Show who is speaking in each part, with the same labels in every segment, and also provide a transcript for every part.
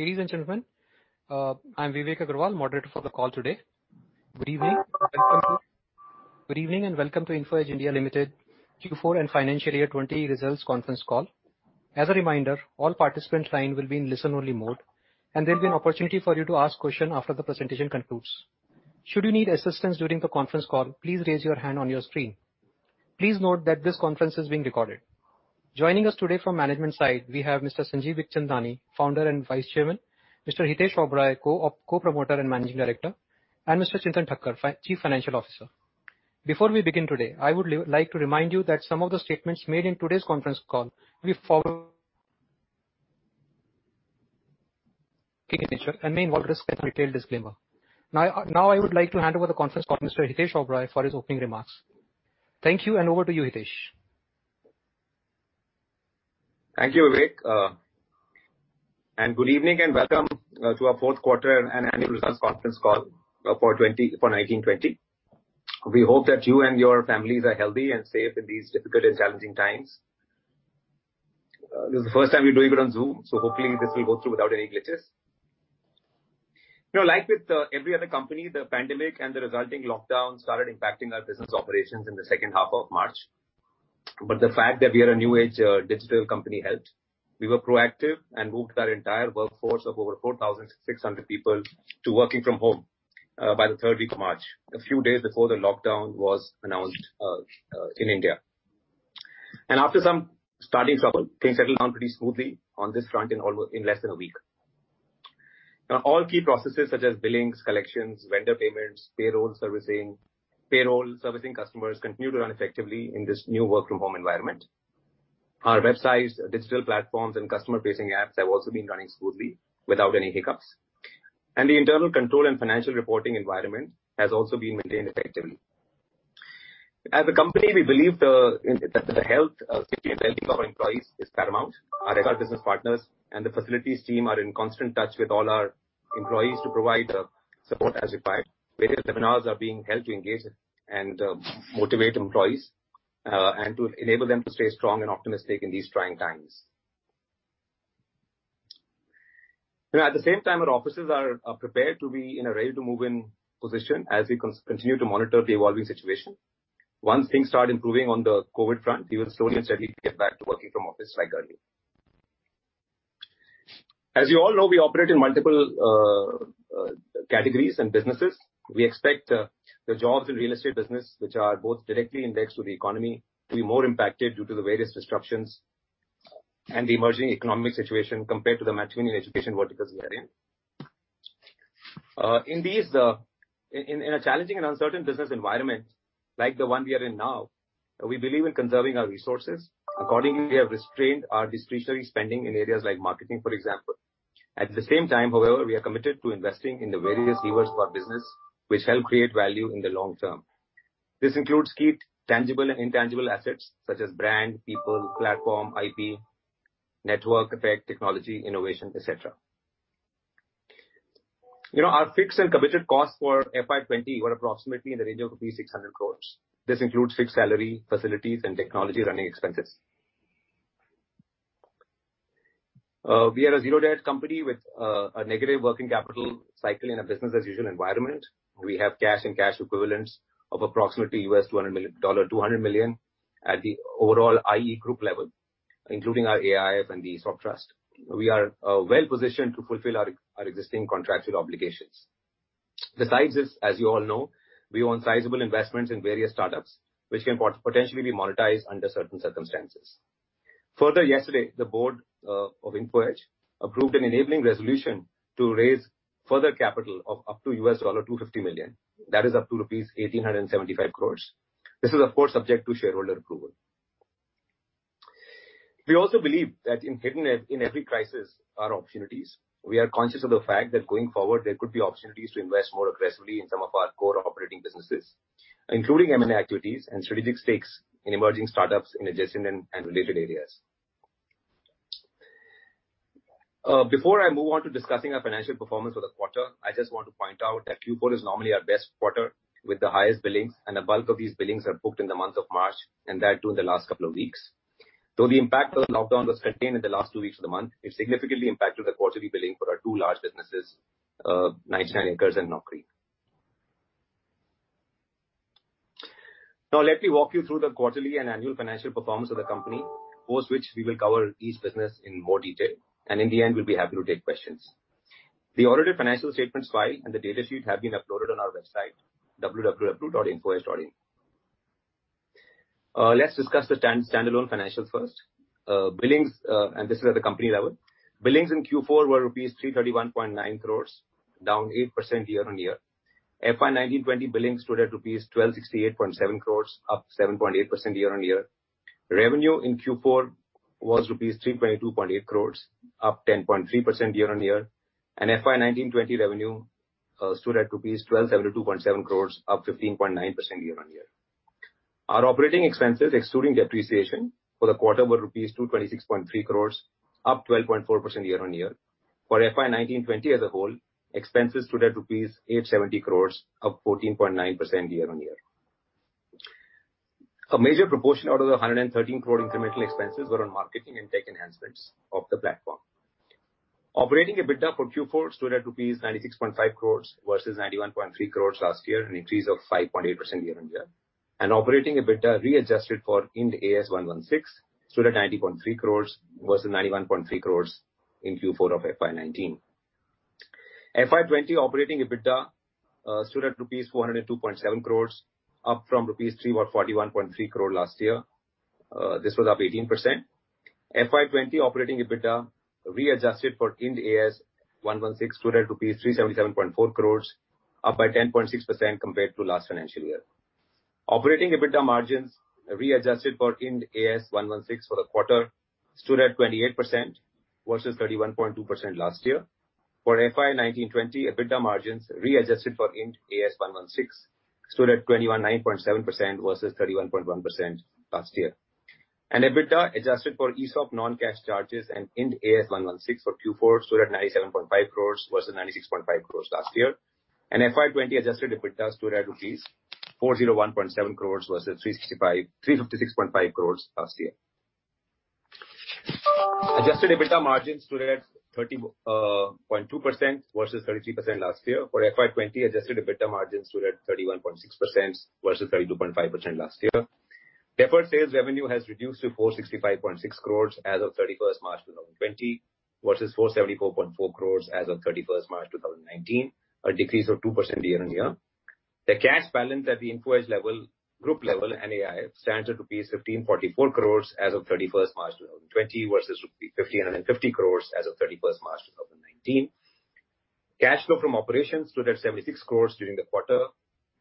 Speaker 1: Ladies and gentlemen, I'm Vivek Agrawal, Moderator for the call today. Good evening and welcome to Info Edge India Limited Q4 and Financial Year 2020 results conference call. As a reminder, all participant line will be in listen-only mode, and there'll be an opportunity for you to ask question after the presentation concludes. Should you need assistance during the conference call, please raise your hand on your screen. Please note that this conference is being recorded. Joining us today from management side, we have Mr. Sanjeev Bikhchandani, Founder and Vice Chairman, Mr. Hitesh Oberoi, Co-promoter and Managing Director, and Mr. Chintan Thakkar, Chief Financial Officer. Before we begin today, I would like to remind you that some of the statements made in today's conference call may fall and may involve risks as per detailed disclaimer. Now I would like to hand over the conference call to Mr. Hitesh Oberoi for his opening remarks. Thank you. Over to you, Hitesh.
Speaker 2: Thank you, Vivek, good evening, and welcome to our fourth quarter and annual results conference call for 2019/2020. We hope that you and your families are healthy and safe in these difficult and challenging times. This is the first time we're doing it on Zoom, hopefully this will go through without any glitches. Like with every other company, the pandemic and the resulting lockdown started impacting our business operations in the second half of March. The fact that we are a new-age digital company helped. We were proactive and moved our entire workforce of over 4,600 people to working from home by the third week of March, a few days before the lockdown was announced in India. After some starting trouble, things settled down pretty smoothly on this front in less than a week. All key processes such as billings, collections, vendor payments, payroll servicing customers continued to run effectively in this new work-from-home environment. Our websites, digital platforms, and customer-facing apps have also been running smoothly without any hiccups. The internal control and financial reporting environment has also been maintained effectively. As a company, we believe that the safety and well-being of our employees is paramount. Our HR business partners and the facilities team are in constant touch with all our employees to provide support as required. Various webinars are being held to engage and motivate employees, and to enable them to stay strong and optimistic in these trying times. At the same time, our offices are prepared to be in a ready-to-move-in position as we continue to monitor the evolving situation. Once things start improving on the COVID-19 front, we will slowly and steadily get back to working from office like earlier. As you all know, we operate in multiple categories and businesses. We expect the jobs and real estate business, which are both directly indexed to the economy, to be more impacted due to the various disruptions and the emerging economic situation compared to the matching in education verticals we are in. In a challenging and uncertain business environment like the one we are in now, we believe in conserving our resources. Accordingly, we have restrained our discretionary spending in areas like marketing, for example. At the same time, however, we are committed to investing in the various levers for our business, which help create value in the long term. This includes key tangible and intangible assets such as brand, people, platform, IP, network effect, technology, innovation, et cetera. Our fixed and committed costs for FY 2020 were approximately in the range of rupees 600 crores. This includes fixed salary, facilities, and technology running expenses. We are a zero-debt company with a negative working capital cycle in a business-as-usual environment. We have cash and cash equivalents of approximately $200 million at the overall IE group level, including our AIF and the sub-trust. We are well-positioned to fulfill our existing contracted obligations. Besides this, as you all know, we own sizable investments in various startups, which can potentially be monetized under certain circumstances. Yesterday, the board of Info Edge approved an enabling resolution to raise further capital of up to $250 million. That is up to rupees 1,875 crores. This is, of course, subject to shareholder approval. We also believe that hidden in every crisis are opportunities. We are conscious of the fact that going forward, there could be opportunities to invest more aggressively in some of our core operating businesses, including M&A activities and strategic stakes in emerging startups in adjacent and related areas. Before I move on to discussing our financial performance for the quarter, I just want to point out that Q4 is normally our best quarter with the highest billings, and the bulk of these billings are booked in the month of March, and that too in the last couple of weeks. Though the impact of the lockdown was contained in the last two weeks of the month, it significantly impacted the quarterly billing for our two large businesses, 99acres and Naukri. Now let me walk you through the quarterly and annual financial performance of the company, post which we will cover each business in more detail, and in the end, we'll be happy to take questions. The audited financial statements file and the data sheet have been uploaded on our website, www.infoedge.in. Let's discuss the standalone financials first. Billings, this is at the company level. Billings in Q4 were rupees 331.9 crores, down 8% year-on-year. FY 2019/2020 billings stood at rupees 1,268.7 crores, up 7.8% year-on-year. Revenue in Q4 was rupees 322.8 crores, up 10.3% year-on-year. FY 2019/2020 revenue stood at rupees 1,272.7 crores, up 15.9% year-on-year. Our operating expenses, excluding depreciation for the quarter, were rupees 226.3 crores, up 12.4% year-on-year. For FY 2019/2020 as a whole, expenses stood at rupees 870 crore, up 14.9% year-on-year. A major proportion out of the 113 crore incremental expenses were on marketing and tech enhancements of the platform. Operating EBITDA for Q4 stood at INR 96.5 crore versus 91.3 crore last year, an increase of 5.8% year-on-year. Operating EBITDA readjusted for Ind AS 116 stood at rupees 90.3 crore versus INR 91.3 crore in Q4 of FY 2019. FY 2020 operating EBITDA stood at INR 402.7 crore, up from INR 341.3 crore last year. This was up 18%. FY 2020 operating EBITDA readjusted for Ind AS 116 stood at INR 377.4 crore, up by 10.6% compared to last financial year. Operating EBITDA margins readjusted for Ind AS 116 for the quarter stood at 28% versus 31.2% last year. For FY 2019/2020, EBITDA margins readjusted for Ind AS 116 stood at 29.7% versus 31.1% last year. EBITDA adjusted for ESOP non-cash charges and Ind AS 116 for Q4 stood at 97.5 crores versus 96.5 crores last year. FY 2020 adjusted EBITDA stood at rupees 401.7 crores versus 356.5 crores last year. Adjusted EBITDA margins stood at 30.2% versus 33% last year. For FY 2020, adjusted EBITDA margins stood at 31.6% versus 32.5% last year. Deferred sales revenue has reduced to 465.6 crores as of 31st March 2020 versus 474.4 crores as of 31st March 2019, a decrease of 2% year-on-year. The cash balance at the Info Edge group level and AI stands at rupees 1,544 crores as of 31st March 2020 versus rupees 1,550 crores as of 31st March 2019. Cash flow from operations stood at 76 crores during the quarter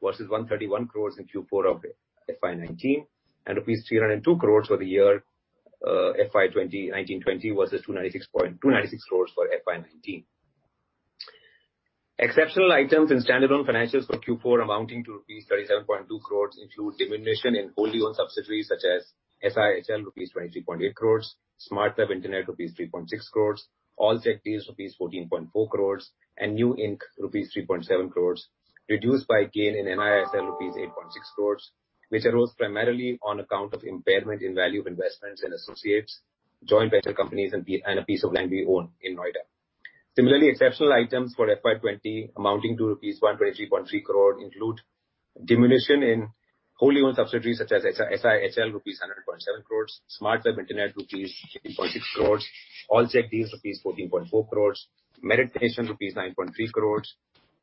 Speaker 2: versus 131 crores in Q4 of FY 2019 and rupees 302 crores for the year FY 2019/2020 versus 296 crores for FY 2019. Exceptional items in standalone financials for Q4 amounting to rupees 37.2 crores include diminution in wholly owned subsidiaries such as SIHL, rupees 23.8 crores, Smartweb Internet rupees 3.6 crores, Allcheckdeals 14.4 crores and NewInc rupees 3.7 crores reduced by gain in NISL 8.6 crores which arose primarily on account of impairment in value of investments and associates, joint venture companies and a piece of land we own in Noida. Similarly, exceptional items for FY 2020 amounting to rupees 123.3 crores include diminution in wholly owned subsidiaries such as SIHL rupees 100.7 crores, Smartweb Internet rupees 3.6 crores, Allcheckdeals rupees 14.4 crores, Meritnation rupees 9.3 crores,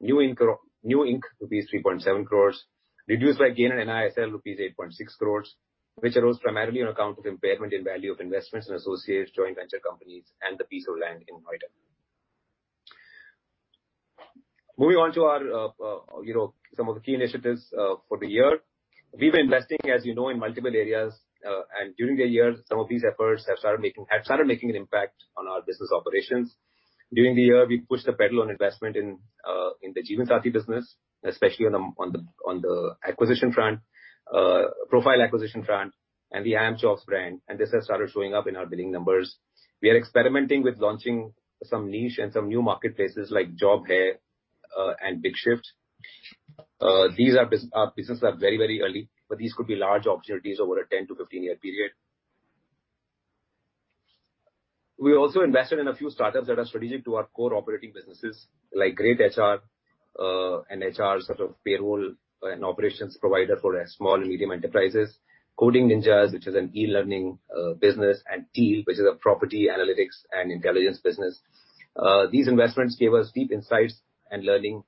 Speaker 2: NewInc rupees 3.7 crores, reduced by gain in NISL rupees 8.6 crores which arose primarily on account of impairment in value of investments in associates, joint venture companies and the piece of land in Noida. Moving on to some of the key initiatives for the year. We've been investing, as you know, in multiple areas. During the year, some of these efforts have started making an impact on our business operations. During the year, we pushed the pedal on investment in the Jeevansathi business especially on the acquisition front, profile acquisition front and the iimjobs brand. This has started showing up in our billing numbers. We are experimenting with launching some niche and some new marketplaces like Job Hai and BigShyft. These are businesses that are very early, but these could be large opportunities over a 10 year-15-year period. We also invested in a few startups that are strategic to our core operating businesses like greytHR, an HR sort of payroll and operations provider for small and medium enterprises. Coding Ninjas, which is an e-learning business and TEAL, which is a property analytics and intelligence business. These investments give us deep insights and learnings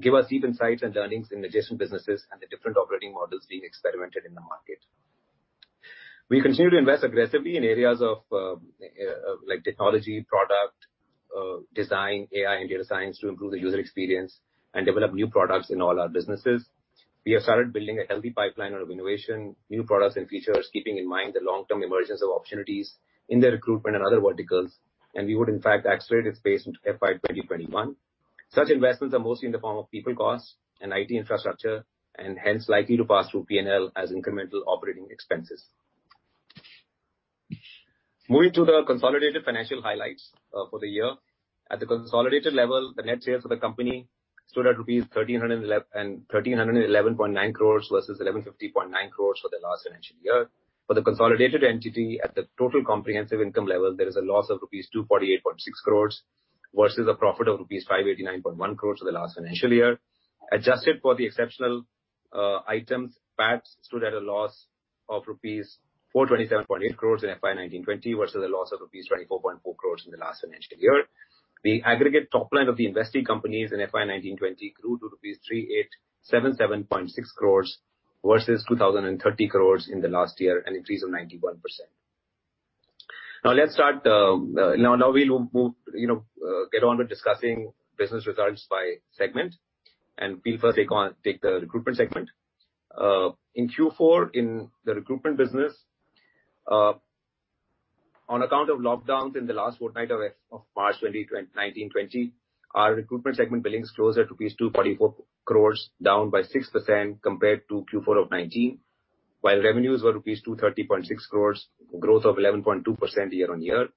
Speaker 2: in adjacent businesses and the different operating models being experimented in the market. We continue to invest aggressively in areas of technology, product design, AI and data science to improve the user experience and develop new products in all our businesses. We have started building a healthy pipeline of innovation, new products and features keeping in mind the long-term emergence of opportunities in the recruitment and other verticals and we would in fact accelerate its pace into FY 2021. Such investments are mostly in the form of people costs and IT infrastructure and hence likely to pass through P&L as incremental operating expenses. Moving to the consolidated financial highlights for the year. At the consolidated level, the net sales for the company stood at 1,311.9 crores rupees versus 1,150.9 crores for the last financial year. For the consolidated entity at the total comprehensive income level there is a loss of rupees 248.6 crores versus a profit of rupees 589.1 crores for the last financial year. Adjusted for the exceptional items, PAT stood at a loss of rupees 427.8 crores in FY 2019/2020 versus a loss of rupees 24.4 crores in the last financial year. The aggregate top line of the investing companies in FY 2019/2020 grew to 3,877.6 crores versus 2,030 crores in the last year, an increase of 91%. We'll get on with discussing business results by segment and we'll first take the recruitment segment. In Q4 in the recruitment business, on account of lockdowns in the last fortnight of March 2019/20, our recruitment segment billings closed at rupees 244 crores down by 6% compared to Q4 of 2019 while revenues were rupees 230.6 crores, growth of 11.2% year-on-year.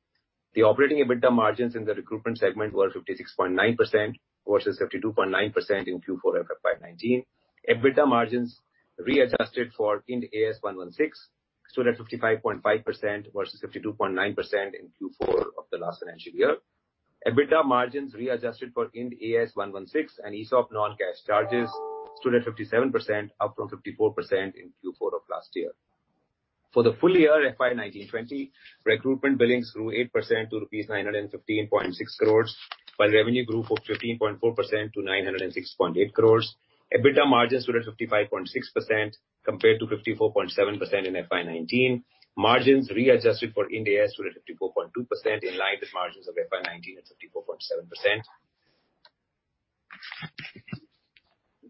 Speaker 2: The operating EBITDA margins in the recruitment segment were 56.9% versus 52.9% in Q4 FY 2019. EBITDA margins readjusted for Ind AS 116 stood at 55.5% versus 52.9% in Q4 of the last financial year. EBITDA margins readjusted for Ind AS 116 and ESOP non-cash charges stood at 57%, up from 54% in Q4 of last year. For the full year FY 2019/2020, recruitment billings grew 8% to rupees 915.6 crores while revenue grew for 15.4% to 906.8 crores. EBITDA margins stood at 55.6% compared to 54.7% in FY 2019. Margins readjusted for Ind AS stood at 54.2%, in line with margins of FY 2019 at 54.7%.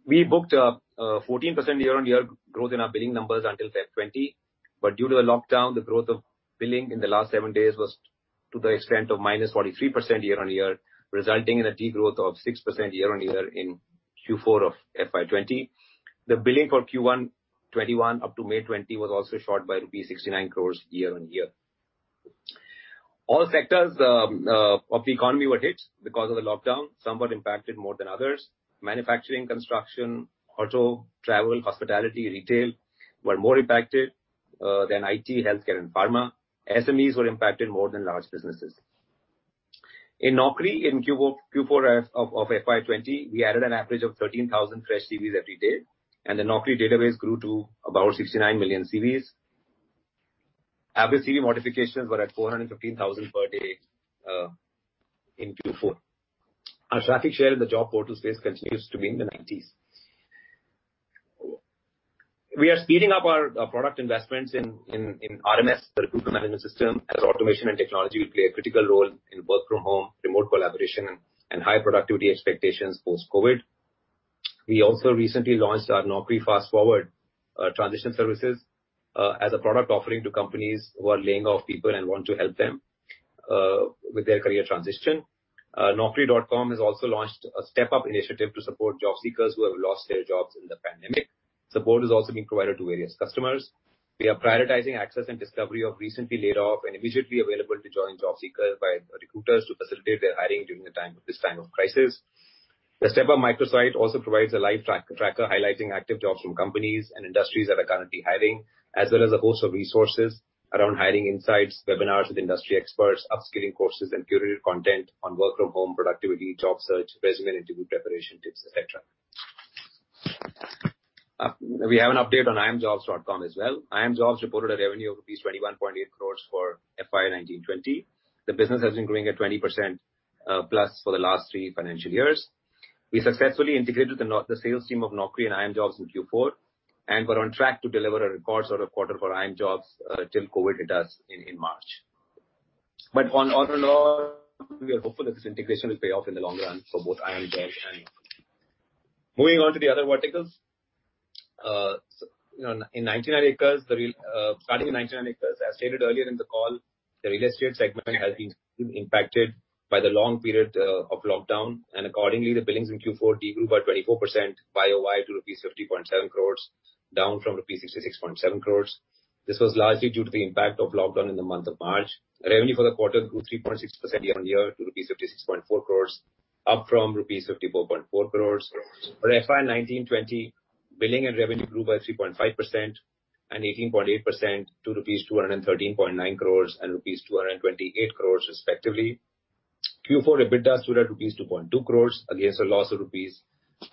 Speaker 2: We booked a 14% year-on-year growth in our billing numbers until Feb 2020, but due to the lockdown, the growth of billing in the last seven days was to the extent of -43% year-on-year, resulting in a degrowth of 6% year-on-year in Q4 of FY 2020. The billing for Q1 2021 up to May 2020 was also short by rupees 69 crores year-on-year. All sectors of the economy were hit because of the lockdown. Some were impacted more than others. Manufacturing, construction, auto, travel, hospitality, retail were more impacted, than IT, healthcare, and pharma. SMEs were impacted more than large businesses. In Naukri, in Q4 of FY 2020, we added an average of 13,000 fresh CVs every day, and the Naukri database grew to about 69 million CVs. Average CV modifications were at 415,000 per day in Q4. Our traffic share in the job portal space continues to be in the nineties. We are speeding up our product investments in RMS, recruitment management system, as automation and technology will play a critical role in work from home, remote collaboration, and high productivity expectations post-COVID. We also recently launched our Naukri Fast Forward transition services as a product offering to companies who are laying off people and want to help them with their career transition. Naukri.com has also launched a StepUp initiative to support job seekers who have lost their jobs in the pandemic. Support is also being provided to various customers. We are prioritizing access and discovery of recently laid-off and immediately available to join job seekers by recruiters to facilitate their hiring during this time of crisis. The StepUp microsite also provides a live tracker highlighting active jobs from companies and industries that are currently hiring, as well as a host of resources around hiring insights, webinars with industry experts, upskilling courses, and curated content on work from home productivity, job search, resume and interview preparation tips, et cetera. We have an update on iimjobs.com as well. iimjobs reported a revenue of rupees 21.8 crores for FY 2019/2020. The business has been growing at 20%+ for the last three financial years. We successfully integrated the sales team of Naukri and iimjobs in Q4 and were on track to deliver a record sort of quarter for iimjobs, till COVID hit us in March. All in all, we are hopeful that this integration will pay off in the long run for both iimjobs and Naukri. Moving on to the other verticals. Starting in 99acres, as stated earlier in the call, the real estate segment has been impacted by the long period of lockdown, and accordingly, the billings in Q4 decreased by 24% YoY to rupees 50.7 crores, down from rupees 66.7 crores. This was largely due to the impact of lockdown in the month of March. Revenue for the quarter grew 3.6% year-on-year to rupees 56.4 crores, up from rupees 54.4 crores. For FY 2019/2020, billing and revenue grew by 3.5% and 18.8% to rupees 213.9 crores and rupees 228 crores respectively. Q4 EBITDA stood at rupees 2.2 crores against a loss of rupees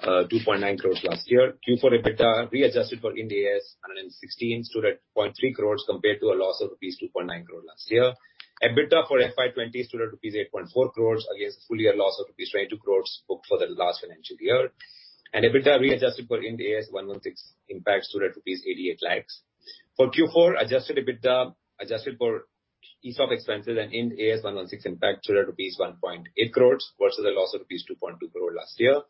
Speaker 2: 2.9 crores last year. Q4 EBITDA readjusted for Ind AS 116 stood at 0.3 crores compared to a loss of rupees 2.9 crore last year. EBITDA for FY 2020 stood at rupees 8.4 crores against a full year loss of rupees 22 crores booked for the last financial year. EBITDA readjusted for Ind AS 116 impact stood at INR 88 lakhs. For Q4, adjusted EBITDA, adjusted for ESOP expenses and Ind AS 116 impact stood at rupees 1.8 crores versus a loss of rupees 2.2 crore last year.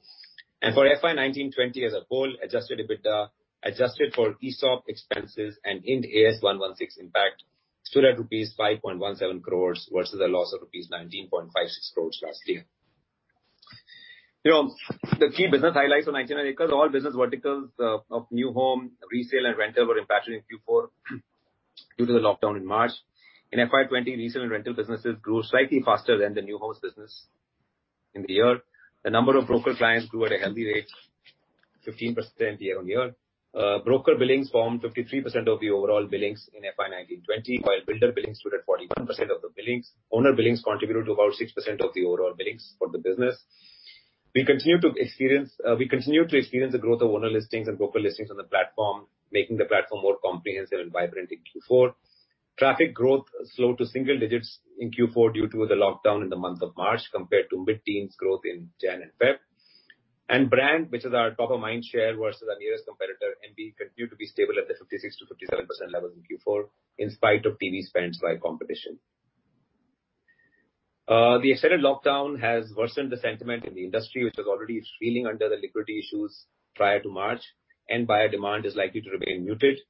Speaker 2: For FY 2019/2020 as a whole, adjusted EBITDA, adjusted for ESOP expenses and Ind AS 116 impact stood at rupees 5.17 crores versus a loss of rupees 19.56 crores last year. The key business highlights for 99acres, all business verticals of new home, resale, and rental were impacted in Q4 due to the lockdown in March. In FY 2020, resale and rental businesses grew slightly faster than the new home business in the year. The number of broker clients grew at a healthy rate, 15% year-on-year. Broker billings formed 53% of the overall billings in FY 2019/2020, while builder billings stood at 41% of the billings. Owner billings contributed to about 6% of the overall billings for the business. We continue to experience the growth of owner listings and broker listings on the platform, making the platform more comprehensive and vibrant in Q4. Traffic growth slowed to single digits in Q4 due to the lockdown in the month of March compared to mid-teens growth in January and February. Brand, which is our top-of-mind share versus our nearest competitor, MB, continued to be stable at the 56%-57% levels in Q4 in spite of TV spends by competition. The extended lockdown has worsened the sentiment in the industry, which was already reeling under the liquidity issues prior to March, and buyer demand is likely to remain muted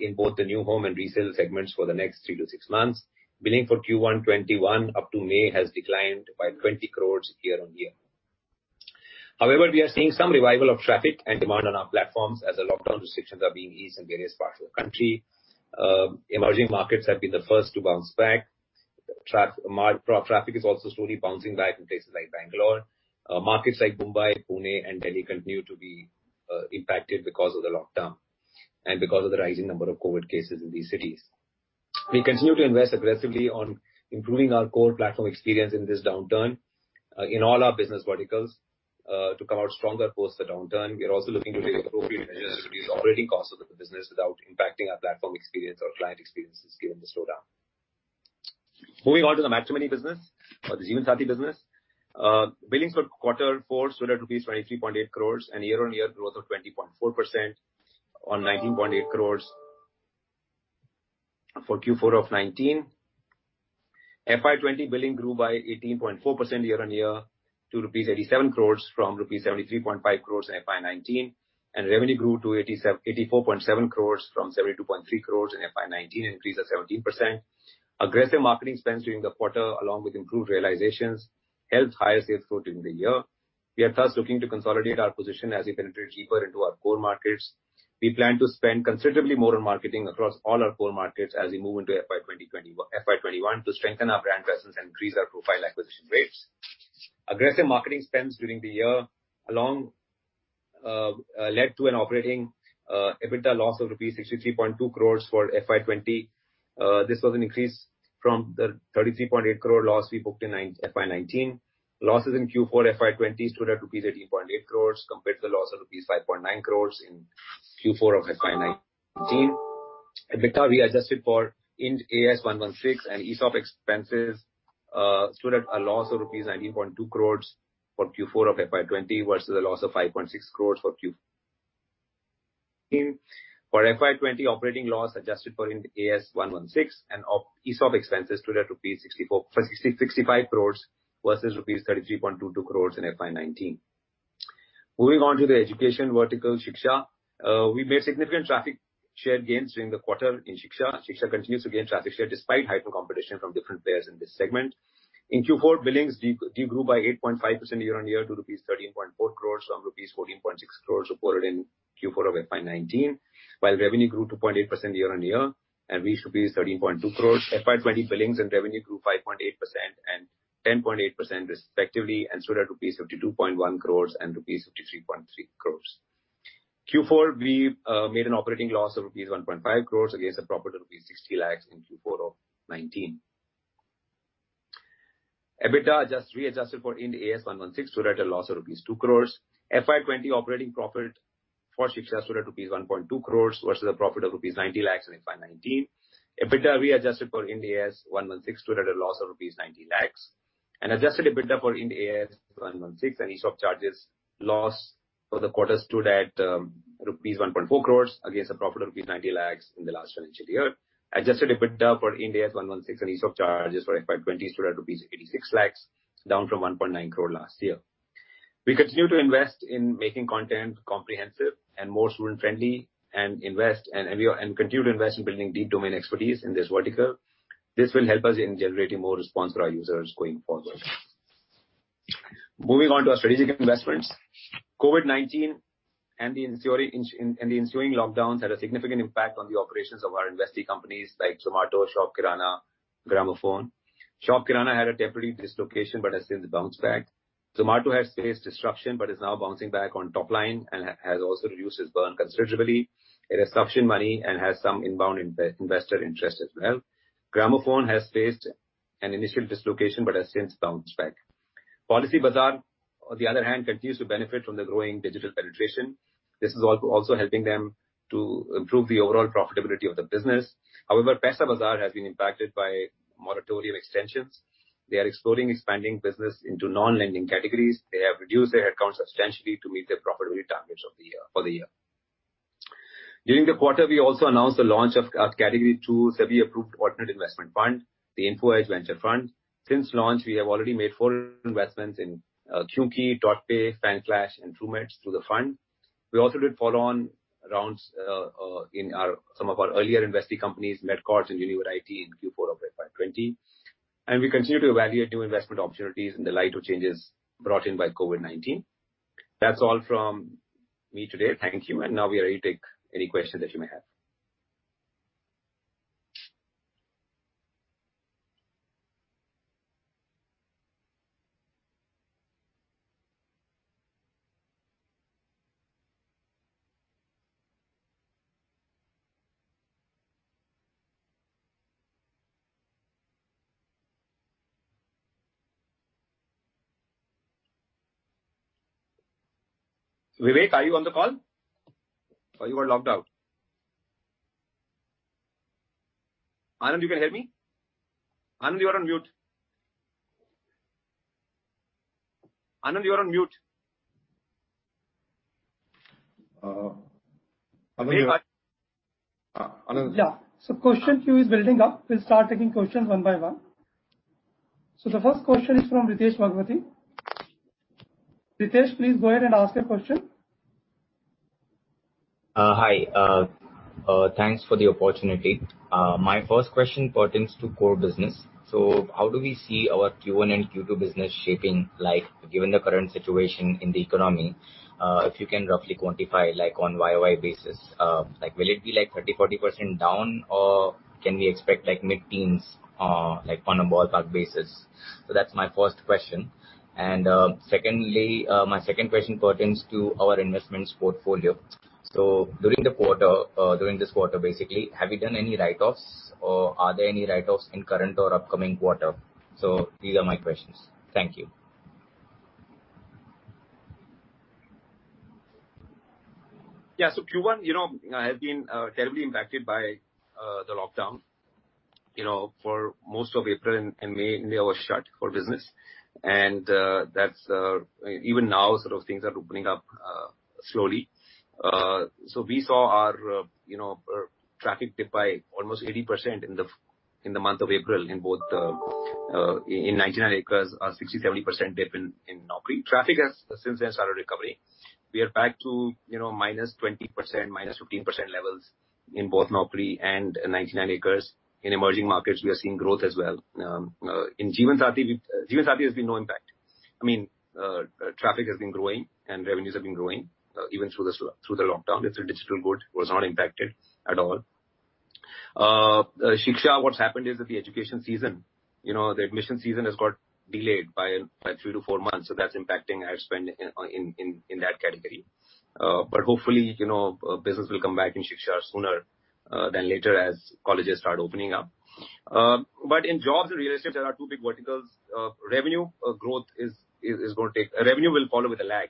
Speaker 2: in both the new home and resale segments for the next three to six months. Billing for Q1 2021 up to May has declined by 20 crore year-on-year. We are seeing some revival of traffic and demand on our platforms as the lockdown restrictions are being eased in various parts of the country. Emerging markets have been the first to bounce back. Traffic is also slowly bouncing back in places like Bangalore. Markets like Mumbai, Pune, and Delhi continue to be impacted because of the lockdown and because of the rising number of COVID-19 cases in these cities. We continue to invest aggressively on improving our core platform experience in this downturn in all our business verticals to come out stronger post the downturn. We are also looking to make appropriate operating costs of the business without impacting our platform experience or client experiences given the slowdown. Moving on to the Matrimony business or the Jeevansathi business. Billings for Quarter Four stood at rupees 23.8 crores and year-over-year growth of 20.4% on 19.8 crores for Q4 of 2019. FY 2020 billing grew by 18.4% year-over-year to rupees 87 crores from rupees 73.5 crores in FY 2019, and revenue grew to 84.7 crores from 72.3 crores in FY 2019, an increase of 17%. Aggressive marketing spends during the quarter, along with improved realizations, helped higher sales growth during the year. We are thus looking to consolidate our position as we penetrate deeper into our core markets. We plan to spend considerably more on marketing across all our core markets as we move into FY 2021 to strengthen our brand presence and increase our profile acquisition rates. Aggressive marketing spends during the year led to an operating EBITDA loss of rupees 63.2 crore for FY 2020. This was an increase from the 33.8 crore loss we booked in FY 2019. Losses in Q4 FY 2020 stood at rupees 18.8 crore compared to the loss of rupees 5.9 crore in Q4 of FY 2019. EBITDA readjusted for Ind AS 116 and ESOP expenses stood at a loss of rupees 19.2 crore for Q4 of FY 2020 versus a loss of 5.6 crore for Q4. For FY 2020 operating loss adjusted for Ind AS 116 and ESOP expenses stood at 65 crore versus rupees 33.22 crore in FY 2019. Moving on to the education vertical, Shiksha. We made significant traffic share gains during the quarter in Shiksha. Shiksha continues to gain traffic share despite heightened competition from different players in this segment. In Q4, billings de-grew by 8.5% year-on-year to rupees 13.4 crores from rupees 14.6 crores reported in Q4 of FY 2019, while revenue grew 2.8% year-on-year and reached 13.2 crores. FY 2020 billings and revenue grew 5.8% and 10.8% respectively and stood at rupees 52.1 crores and rupees 53.3 crores. Q4, we made an operating loss of rupees 1.5 crores against a profit of rupees 60 lakhs in Q4 of 2019. EBITDA readjusted for Ind AS 116 stood at a loss of rupees 2 crores. FY 2020 operating profit for Shiksha stood at rupees 1.2 crores versus a profit of rupees 90 lakhs in FY 2019. EBITDA readjusted for Ind AS 116 stood at a loss of rupees 90 lakhs. Adjusted EBITDA for Ind AS 116 and ESOP charges loss for the quarter stood at rupees 1.4 crore against a profit of rupees 90 lakh in the last financial year. Adjusted EBITDA for Ind AS 116 and ESOP charges for FY 2020 stood at rupees 86 lakh, down from 1.9 crore last year. We continue to invest in making content comprehensive and more student-friendly, and continue to invest in building deep domain expertise in this vertical. This will help us in generating more response from our users going forward. Moving on to our strategic investments. COVID-19 and the ensuing lockdowns had a significant impact on the operations of our investee companies like Zomato, ShopClues, Gramophone. ShopClues had a temporary dislocation but has since bounced back. Zomato has faced disruption but is now bouncing back on top line and has also reduced its burn considerably. It has suction money and has some inbound investor interest as well. Gramophone has faced an initial dislocation but has since bounced back. Policybazaar, on the other hand, continues to benefit from the growing digital penetration. This is also helping them to improve the overall profitability of the business. However, Paisabazaar has been impacted by moratorium extensions. They are exploring expanding business into non-lending categories. They have reduced their headcount substantially to meet their profitability targets for the year. During the quarter, we also announced the launch of Category 2 SEBI approved alternate investment fund, the Info Edge Venture Fund. Since launch, we have already made four investments in Qyuki, DotPe, FanClash, and Truemeds through the fund. We also did follow-on rounds in some of our earlier investee companies, MedCords and Univariety in Q4 of FY 2020. We continue to evaluate new investment opportunities in the light of changes brought in by COVID-19. That's all from me today. Thank you. Now we are ready to take any questions that you may have. Vivek, are you on the call? Are you logged out? Anand, you can hear me? Anand, you are on mute. Anand, you are on mute.
Speaker 1: Anand?
Speaker 3: Yeah. Question queue is building up. We'll start taking questions one by one. The first question is from [Ritesh Wadhwani]. [Ritesh], please go ahead and ask your question.
Speaker 4: Hi. Thanks for the opportunity. My first question pertains to core business. How do we see our Q1 and Q2 business shaping, given the current situation in the economy? If you can roughly quantify on YoY basis. Will it be 30%, 40% down, or can we expect mid-teens on a ballpark basis? That's my first question. Secondly, my second question pertains to our investments portfolio. During this quarter, basically, have you done any write-offs or are there any write-offs in current or upcoming quarter? These are my questions. Thank you.
Speaker 2: Q1 has been terribly impacted by the lockdown. For most of April and May, India was shut for business, and even now things are opening up slowly. We saw our traffic dip by almost 80% in the month of April in both 99acres, and 60%, 70% dip in Naukri. Traffic has since then started recovering. We are back to -20%, -15% levels in both Naukri and 99acres. In emerging markets, we are seeing growth as well. In Jeevansathi, there's been no impact. Traffic has been growing and revenues have been growing even through the lockdown. It's a digital good, was not impacted at all. Shiksha, what's happened is that the education season, the admission season has got delayed by three to four months. That's impacting ad spend in that category. Hopefully, business will come back in Shiksha sooner than later as colleges start opening up. In jobs and real estate, there are two big verticals. Revenue will follow with a lag.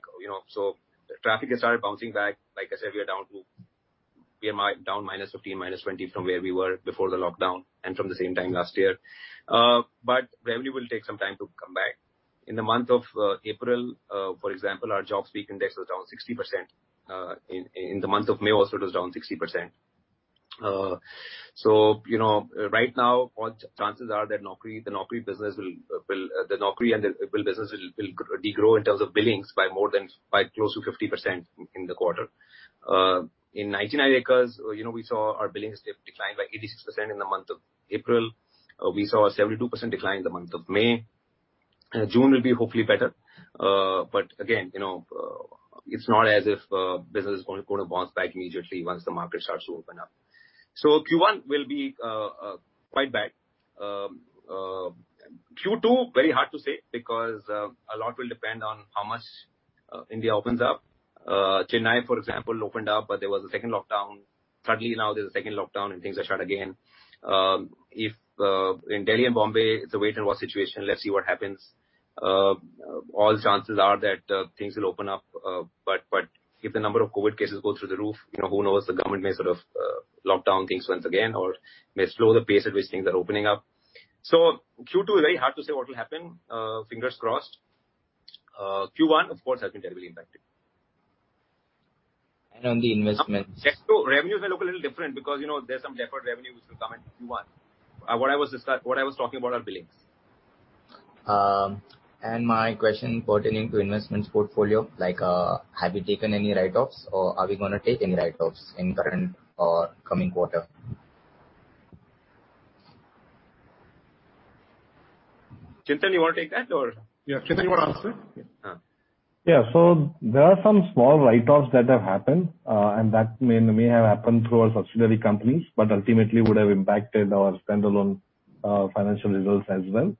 Speaker 2: Traffic has started bouncing back. Like I said, we are down -15%, -20% from where we were before the lockdown and from the same time last year. Revenue will take some time to come back. In the month of April, for example, our Jobs Peak Index was down 60%. In the month of May also, it was down 60%. Right now, all chances are that the Naukri and the 99acres business will de-grow in terms of billings by close to 50% in the quarter. In 99acres, we saw our billings decline by 86% in the month of April. We saw a 72% decline in the month of May. June will be hopefully better. Again, it's not as if business is going to bounce back immediately once the market starts to open up. Q1 will be quite bad. Q2, very hard to say because a lot will depend on how much India opens up. Chennai, for example, opened up, but there was a second lockdown. Suddenly, now there's a second lockdown and things are shut again. In Delhi and Bombay, it's a wait and watch situation. Let's see what happens. All chances are that things will open up, but if the number of COVID-19 cases go through the roof, who knows, the government may lockdown things once again, or may slow the pace at which things are opening up. Q2 is very hard to say what will happen. Fingers crossed. Q1, of course, has been terribly impacted.
Speaker 4: On the investments?
Speaker 2: Revenues may look a little different because there's some deferred revenue which will come in Q1. What I was talking about are billings.
Speaker 4: My question pertaining to investments portfolio, have you taken any write-offs or are we going to take any write-offs in current or coming quarter?
Speaker 2: Chintan, you want to take that or?
Speaker 5: Yeah.
Speaker 2: Chintan, you want to answer?
Speaker 5: Yeah. There are some small write-offs that have happened, and that may have happened through our subsidiary companies, but ultimately would have impacted our standalone financial results as well.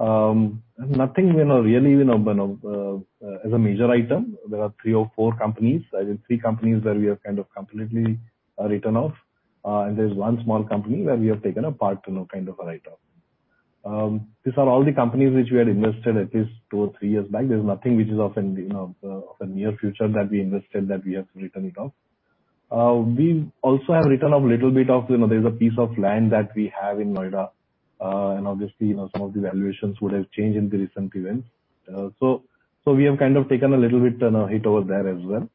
Speaker 5: Nothing really as a major item. There are three or four companies. There's three companies where we have kind of completely written off, and there's one small company where we have taken a part kind of a write-off. These are all the companies which we had invested at least two or three years back. There's nothing which is of a near future that we invested that we have written it off. We also have written off a little bit of, there's a piece of land that we have in Noida, and obviously, some of the valuations would have changed in the recent events. We have kind of taken a little bit hit over there as well.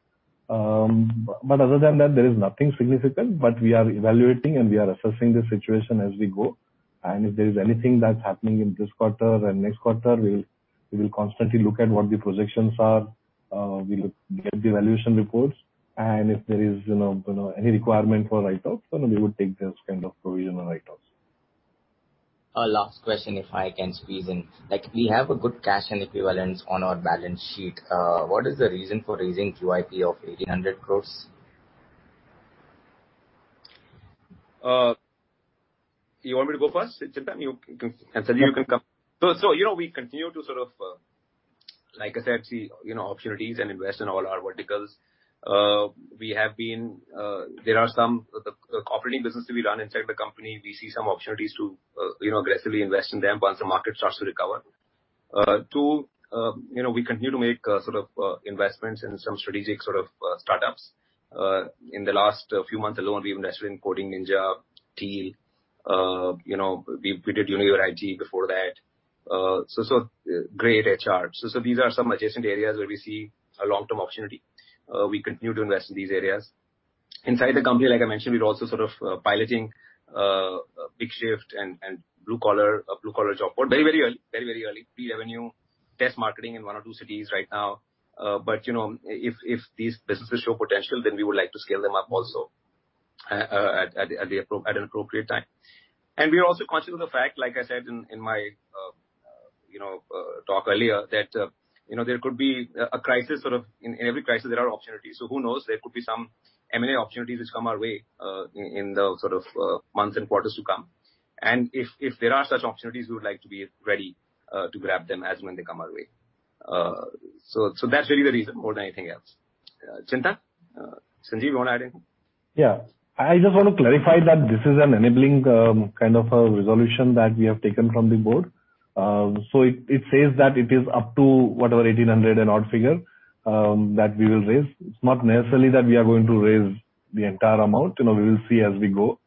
Speaker 5: Other than that, there is nothing significant. We are evaluating and we are assessing the situation as we go, and if there is anything that's happening in this quarter and next quarter, we will constantly look at what the projections are. We'll get the valuation reports, and if there is any requirement for write-offs, then we would take this kind of provisional write-offs.
Speaker 4: Last question, if I can squeeze in. We have a good cash and equivalents on our balance sheet. What is the reason for raising QIP of 1,800 crores?
Speaker 5: You want me to go first?
Speaker 2: Chintan, you can answer, you can [afterward]. We continue to, like I said, see opportunities and invest in all our verticals. There are some operating businesses we run inside the company. We see some opportunities to aggressively invest in them once the market starts to recover. Two, we continue to make investments in some strategic startups. In the last few months alone, we've invested in Coding Ninjas, TEAL. We did Univariety before that. greytHR. These are some adjacent areas where we see a long-term opportunity. We continue to invest in these areas. Inside the company, like I mentioned, we're also sort of piloting BigShyft and Blue Collar Job Board. Very, very early. Pre-revenue. Test marketing in one or two cities right now. If these businesses show potential, then we would like to scale them up also at an appropriate time. We are also conscious of the fact, like I said in my talk earlier, that there could be a crisis. In every crisis, there are opportunities. Who knows, there could be some M&A opportunities which come our way in the months and quarters to come. If there are such opportunities, we would like to be ready to grab them as when they come our way. That's really the reason more than anything else. Chintan? Sanjeev, you want to add anything?
Speaker 5: Yeah. I just want to clarify that this is an enabling kind of a resolution that we have taken from the board. It says that it is up to whatever 1,800 and odd figure that we will raise. It's not necessarily that we are going to raise the entire amount. We will see as we go.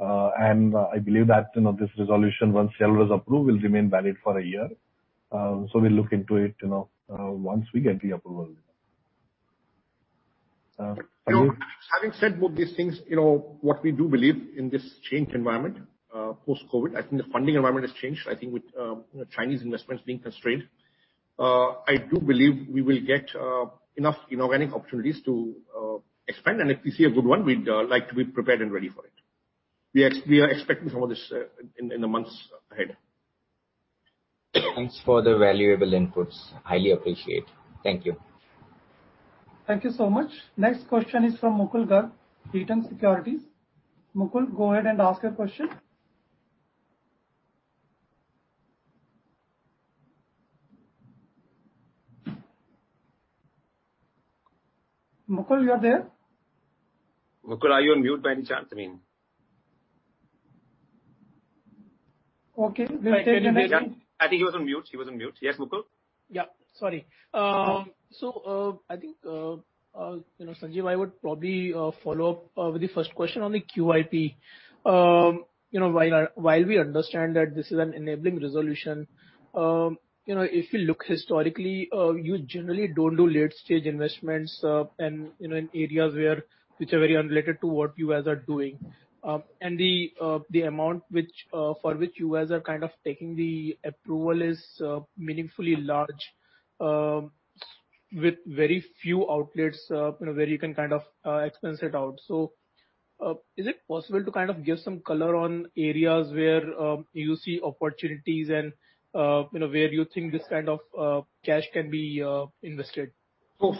Speaker 5: I believe that this resolution, once shareholders approve, will remain valid for a year. We'll look into it once we get the approval.
Speaker 6: Having said both these things, what we do believe in this changed environment, post-COVID-19, I think the funding environment has changed, I think with Chinese investments being constrained. I do believe we will get enough inorganic opportunities to expand, if we see a good one, we'd like to be prepared and ready for it. We are expecting some of this in the months ahead.
Speaker 4: Thanks for the valuable inputs. Highly appreciate. Thank you.
Speaker 3: Thank you so much. Next question is from Mukul Garg, Haitong Securities. Mukul, go ahead and ask your question. Mukul, you are there?
Speaker 2: Mukul, are you on mute [or what happening]?
Speaker 3: Okay.
Speaker 2: I think he was on mute. Yes, Mukul?
Speaker 7: Yeah. Sorry. I think, Sanjeev, I would probably follow up with the first question on the QIP. While we understand that this is an enabling resolution, if you look historically, you generally don't do late-stage investments and in areas which are very unrelated to what you guys are doing. The amount for which you guys are taking the approval is meaningfully large with very few outlets where you can expense it out. Is it possible to give some color on areas where you see opportunities and where you think this kind of cash can be invested?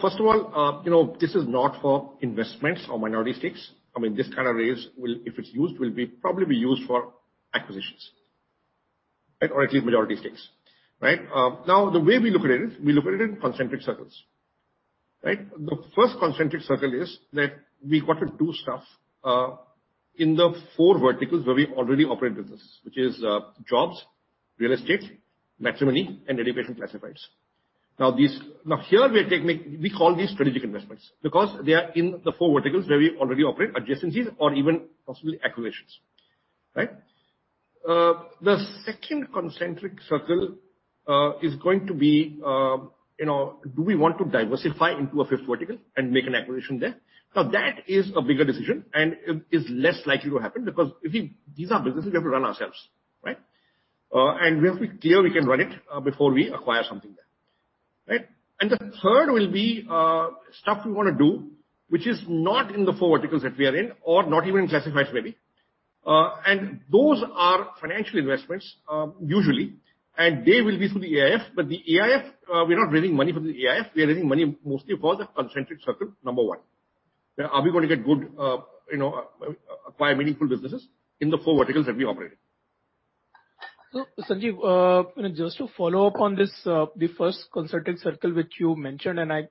Speaker 6: First of all, this is not for investments or minority stakes. I mean, this kind of raise, if it's used, will probably be used for acquisitions or at least majority stakes. Right? The way we look at it is, we look at it in concentric circles. Right? The first concentric circle is that we got to do stuff in the four verticals where we already operate business, which is jobs, real estate, matrimony, and education classifieds. Here, we call these strategic investments because they are in the four verticals where we already operate adjacencies or even possibly acquisitions. Right? The second concentric circle is going to be, do we want to diversify into a fifth vertical and make an acquisition there? That is a bigger decision and is less likely to happen because these are businesses we have to run ourselves, right? We have to be clear we can run it before we acquire something there. Right? The third will be stuff we want to do, which is not in the four verticals that we are in or not even in classifieds maybe. Those are financial investments, usually, and they will be through the AIF. The AIF, we're not raising money for the AIF. We are raising money mostly for the concentric circle number one. Are we going to acquire meaningful businesses in the four verticals that we operate in?
Speaker 7: Sanjeev, just to follow up on this, the first concentric circle which you mentioned, and I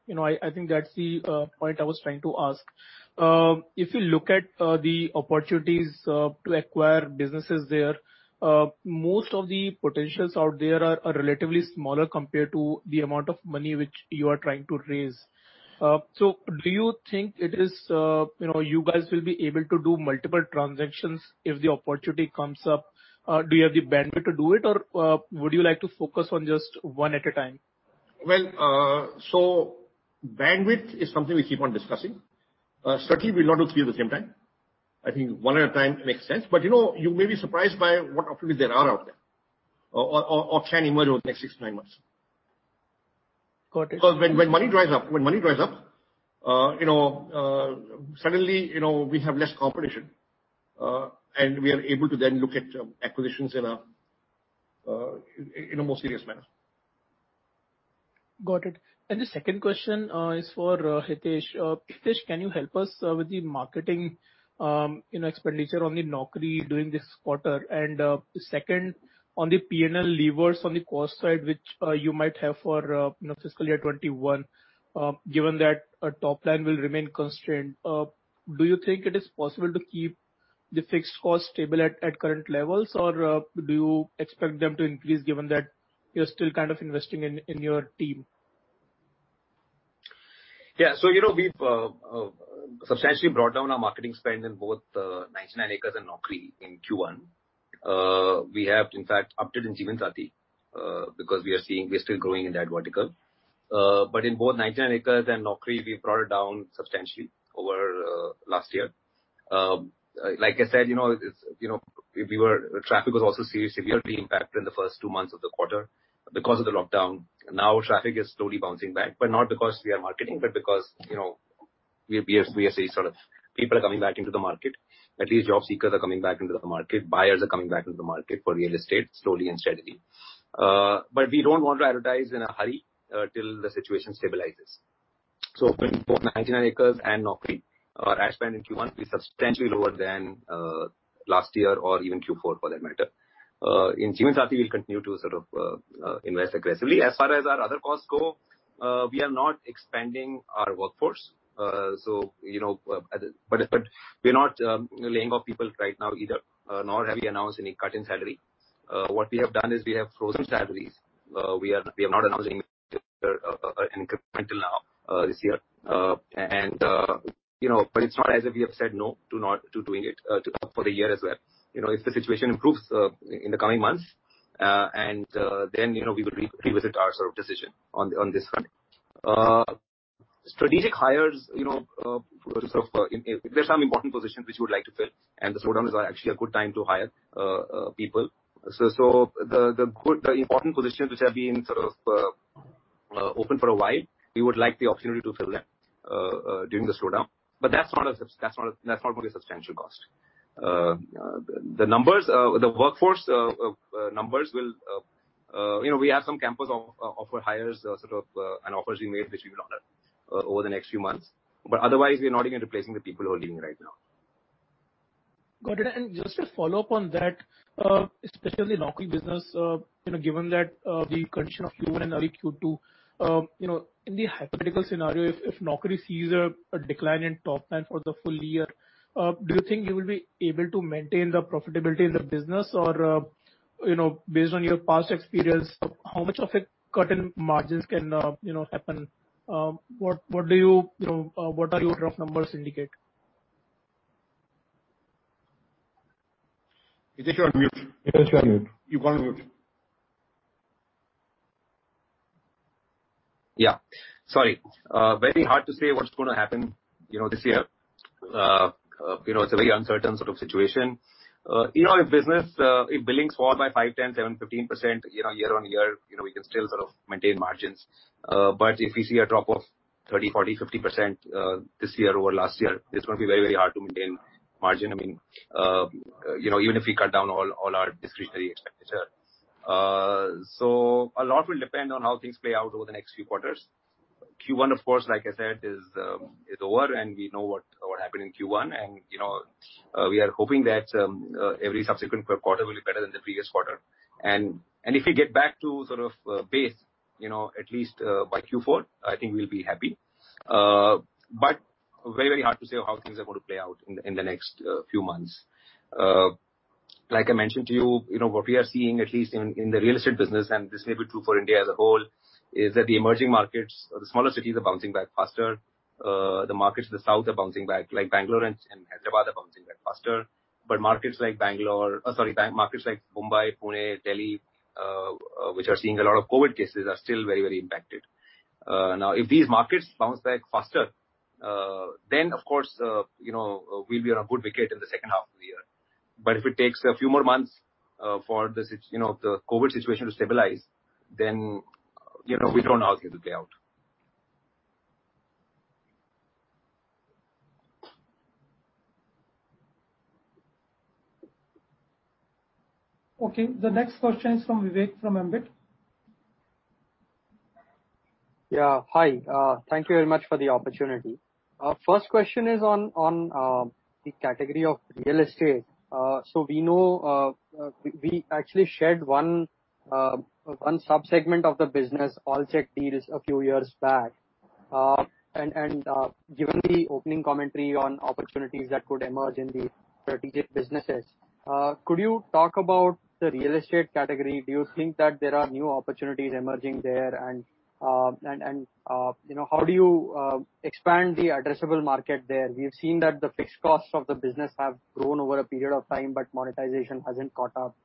Speaker 7: think that's the point I was trying to ask. If you look at the opportunities to acquire businesses there, most of the potentials out there are relatively smaller compared to the amount of money which you are trying to raise. Do you think you guys will be able to do multiple transactions if the opportunity comes up? Do you have the bandwidth to do it, or would you like to focus on just one at a time?
Speaker 6: Well, bandwidth is something we keep on discussing. Certainly, we'll not do three at the same time. I think one at a time makes sense. You may be surprised by what opportunities there are out there or can emerge over the next six to nine months.
Speaker 7: Got it.
Speaker 6: When money dries up, suddenly we have less competition, and we are able to then look at acquisitions in a more serious manner.
Speaker 7: Got it. The second question is for Hitesh. Hitesh, can you help us with the marketing expenditure on the Naukri during this quarter? Second, on the P&L levers on the cost side, which you might have for fiscal year 2021, given that top line will remain constrained, do you think it is possible to keep the fixed cost stable at current levels or do you expect them to increase given that you're still kind of investing in your team?
Speaker 2: Yeah. We've substantially brought down our marketing spend in both 99acres and Naukri in Q1. We have in fact upped it in Jeevansathi, because we are still growing in that vertical. In both 99acres and Naukri, we've brought it down substantially over last year. Like I said, traffic was also seriously impacted in the first two months of the quarter because of the lockdown. Traffic is slowly bouncing back, but not because we are marketing, but because we are seeing people are coming back into the market. At least job seekers are coming back into the market. Buyers are coming back into the market for real estate slowly and steadily. We don't want to advertise in a hurry till the situation stabilizes. For both 99acres and Naukri, our ad spend in Q1 will be substantially lower than last year or even Q4 for that matter. In Jeevansathi, we'll continue to invest aggressively. As far as our other costs go, we are not expanding our workforce. We're not laying off people right now either, nor have we announced any cut in salary. What we have done is we have frozen salaries. We have not announced any increment till now this year. It's not as if we have said no to doing it for the year as well. If the situation improves in the coming months, we will revisit our decision on this front. Strategic hires, there are some important positions which we would like to fill, the slowdown is actually a good time to hire people. The important positions which have been open for a while, we would like the opportunity to fill them during the slowdown. That's not going to be a substantial cost. The workforce numbers, we have some campus offer hires, and offers we made, which we will honor over the next few months. Otherwise, we are not going to be replacing the people who are leaving right now.
Speaker 7: Got it. Just to follow up on that, especially the Naukri business, given the condition of Q1 and early Q2, in the hypothetical scenario, if Naukri sees a decline in top line for the full year, do you think you will be able to maintain the profitability of the business? Or, based on your past experience, how much of a cut in margins can happen? What are your rough numbers indicate?
Speaker 1: Hitesh, you're on mute. Hitesh, you're on mute.
Speaker 3: You've gone mute.
Speaker 2: Yeah. Sorry. Very hard to say what's going to happen this year. It's a very uncertain sort of situation. In our business, if billings fall by 5%, 10%, 7%, 15%, year-on-year, we can still maintain margins. If we see a drop of 30%, 40%, 50% this year over last year, it's going to be very hard to maintain margin. Even if we cut down all our discretionary expenditure. A lot will depend on how things play out over the next few quarters. Q1, of course, like I said, is over, and we know what happened in Q1, and we are hoping that every subsequent quarter will be better than the previous quarter. If we get back to base, at least by Q4, I think we'll be happy. Very hard to say how things are going to play out in the next few months. Like I mentioned to you, what we are seeing, at least in the real estate business, and this may be true for India as a whole, is that the emerging markets or the smaller cities are bouncing back faster. The markets in the south are bouncing back, like Bangalore and Hyderabad are bouncing back faster. Markets like Mumbai, Pune, Delhi, which are seeing a lot of COVID cases, are still very impacted. If these markets bounce back faster, then of course, we'll be on a good wicket in the second half of the year. If it takes a few more months for the COVID situation to stabilize, then we don't know how things will play out.
Speaker 3: Okay. The next question is from Vivek from Ambit.
Speaker 8: Yeah. Hi. Thank you very much for the opportunity. First question is on the category of real estate. We know we actually shared one sub-segment of the business, Allcheckdeals, a few years back. Given the opening commentary on opportunities that could emerge in the strategic businesses, could you talk about the real estate category? Do you think that there are new opportunities emerging there, and how do you expand the addressable market there? We have seen that the fixed costs of the business have grown over a period of time, but monetization hasn't caught up.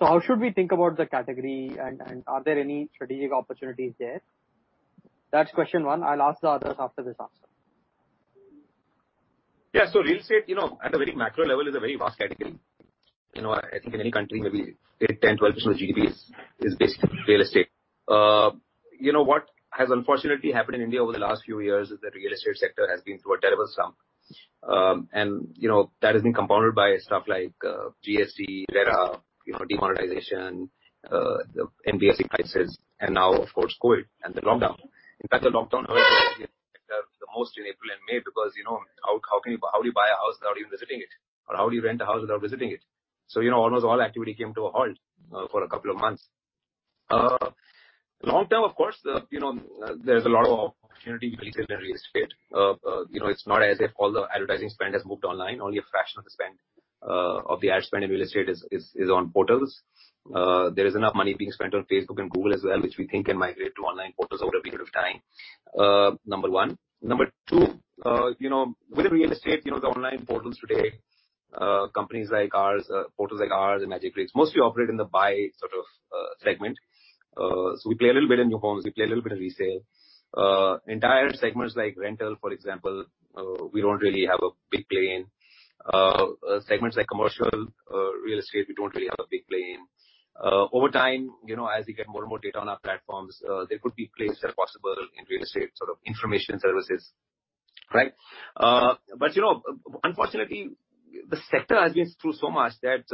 Speaker 8: How should we think about the category, and are there any strategic opportunities there? That's question one. I'll ask the others after this answer.
Speaker 2: Yeah. Real estate, at a very macro level, is a very vast category. I think in any country, maybe 10%-12% of GDP is based on real estate. What has unfortunately happened in India over the last few years is that the real estate sector has been through a terrible slump. That has been compounded by stuff like GST era, demonetization, the NBFC crisis, and now, of course, COVID-19 and the lockdown. In fact, the lockdown hurt the sector the most in April and May because how do you buy a house without even visiting it? How do you rent a house without visiting it? Almost all activity came to a halt for a couple of months. Long term, of course, there's a lot of opportunity in real estate. It's not as if all the advertising spend has moved online. Only a fraction of the ad spend in real estate is on portals. There is enough money being spent on Facebook and Google as well, which we think can migrate to online portals over a period of time. Number one. Number two, within real estate, the online portals today companies like ours, portals like ours and Magicbricks, mostly operate in the buy segment. We play a little bit in new homes, we play a little bit in resale. Entire segments like rental, for example, we don't really have a big play in. Segments like commercial real estate, we don't really have a big play in. Over time, as we get more and more data on our platforms, there could be plays that are possible in real estate information services. Right? Unfortunately, the sector has been through so much that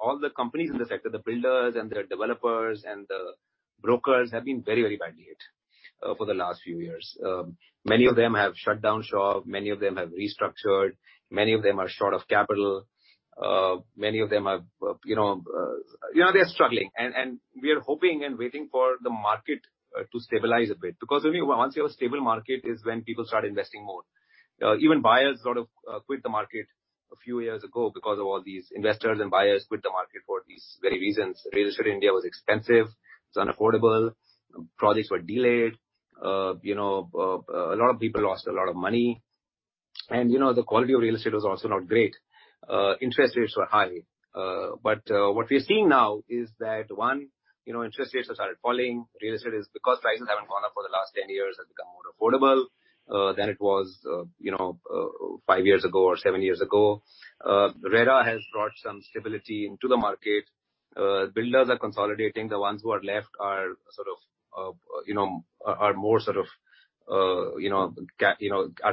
Speaker 2: all the companies in the sector, the builders and the developers and the brokers, have been very badly hit for the last few years. Many of them have shut down shop. Many of them have restructured. Many of them are short of capital. Many of them are struggling. We are hoping and waiting for the market to stabilize a bit. Only once you have a stable market is when people start investing more. Even buyers sort of quit the market a few years ago because of all these. Investors and buyers quit the market for these very reasons. Real estate in India was expensive, it was unaffordable, projects were delayed. A lot of people lost a lot of money. The quality of real estate was also not great. Interest rates were high. What we are seeing now is that, one, interest rates have started falling. Real estate, because prices haven't gone up for the last 10 years, has become more affordable than it was five years ago or seven years ago. RERA has brought some stability into the market. Builders are consolidating. The ones who are left are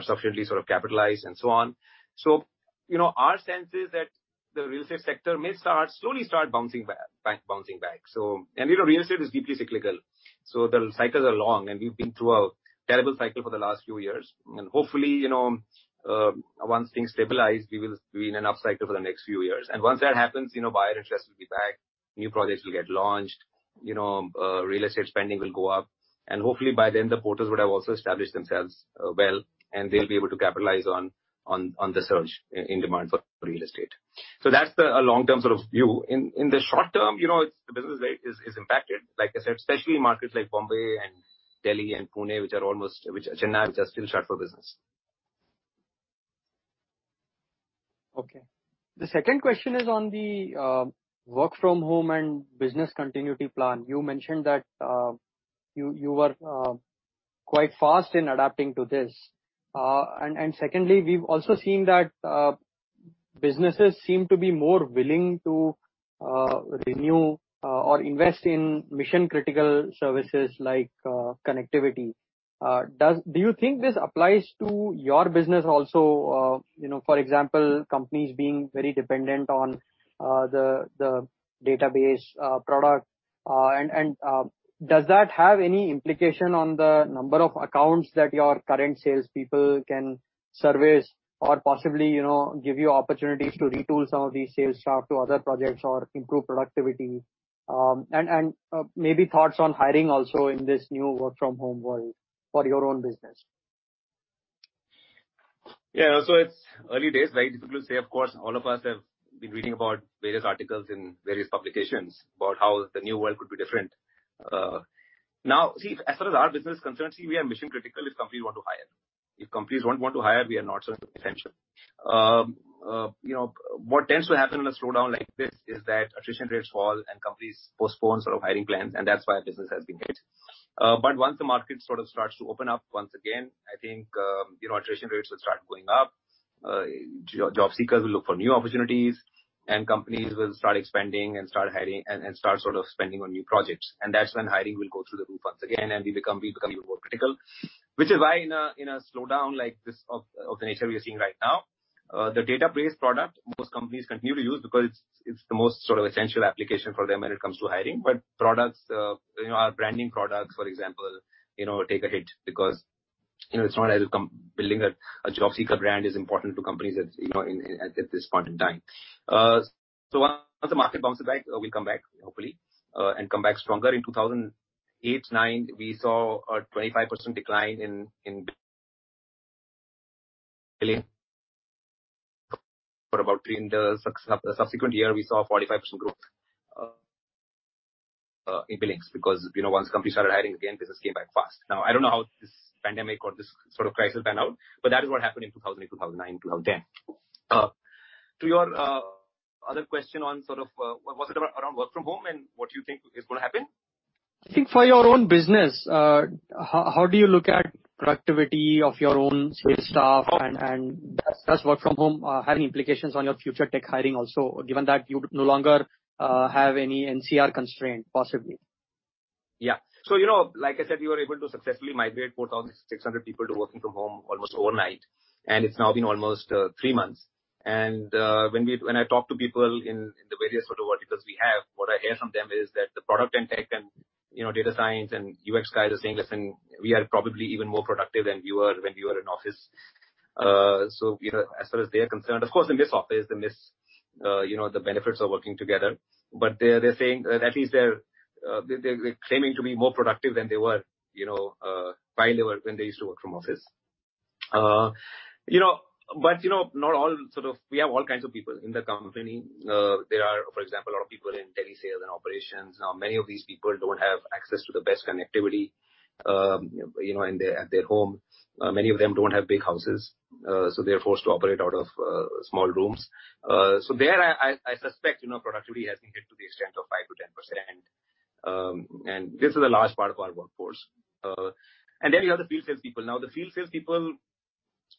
Speaker 2: sufficiently capitalized and so on. Our sense is that the real estate sector may slowly start bouncing back. Real estate is deeply cyclical, so the cycles are long, and we've been through a terrible cycle for the last few years. Hopefully, once things stabilize, we will be in an up cycle for the next few years. Once that happens, buyer interest will be back, new projects will get launched, real estate spending will go up, and hopefully by then, the portals would have also established themselves well, and they'll be able to capitalize on the surge in demand for real estate. That's the long-term view. In the short term, the business is impacted, like I said, especially in markets like Bombay and Delhi and Pune, Chennai, which are still shut for business.
Speaker 8: Okay. The second question is on the work-from-home and business continuity plan. You mentioned that you were quite fast in adapting to this. Secondly, we've also seen that businesses seem to be more willing to renew or invest in mission-critical services like connectivity. Do you think this applies to your business also? For example, companies being very dependent on the database product. Does that have any implication on the number of accounts that your current salespeople can service or possibly give you opportunities to retool some of these sales staff to other projects or improve productivity? Maybe thoughts on hiring also in this new work-from-home world for your own business.
Speaker 2: Yeah. It's early days, very difficult to say, of course. All of us have been reading about various articles in various publications about how the new world could be different. As far as our business is concerned, we are mission-critical if companies want to hire. If companies don't want to hire, we are not so essential. What tends to happen in a slowdown like this is that attrition rates fall and companies postpone hiring plans, and that's why our business has been hit. Once the market starts to open up once again, I think attrition rates will start going up. Job seekers will look for new opportunities, and companies will start expanding and start spending on new projects. That's when hiring will go through the roof once again, and we become even more critical. Which is why in a slowdown like this of the nature we are seeing right now, the database product most companies continue to use because it's the most essential application for them when it comes to hiring. Our branding products, for example, take a hit because it's not as if building a job seeker brand is important to companies at this point in time. Once the market bounces back, we'll come back, hopefully. Come back stronger. In 2008, 2009, we saw a 25% decline [in for about three] and the subsequent year, we saw a 45% growth in billings because once companies started hiring again, business came back fast. I don't know how this pandemic or this crisis pan out, but that is what happened in 2008, 2009, 2010. To your other question on, was it around work from home and what you think is going to happen?
Speaker 8: I think for your own business, how do you look at productivity of your own sales staff? Does work from home have any implications on your future tech hiring also, given that you no longer have any NCR constraint, possibly?
Speaker 2: Like I said, we were able to successfully migrate 4,600 people to working from home almost overnight. It's now been almost three months. When I talk to people in the various verticals we have, what I hear from them is that the product and tech and data science and UX guys are saying, "Listen, we are probably even more productive than we were when we were in office." As far as they're concerned. Of course, they miss office, they miss the benefits of working together. They're saying that at least they're claiming to be more productive than they were when they used to work from office. We have all kinds of people in the company. There are, for example, a lot of people in telesales and operations. Many of these people don't have access to the best connectivity at their home. Many of them don't have big houses, they're forced to operate out of small rooms. There, I suspect productivity has been hit to the extent of 5%-10%. This is a large part of our workforce. You have the field sales people. Now, the field sales people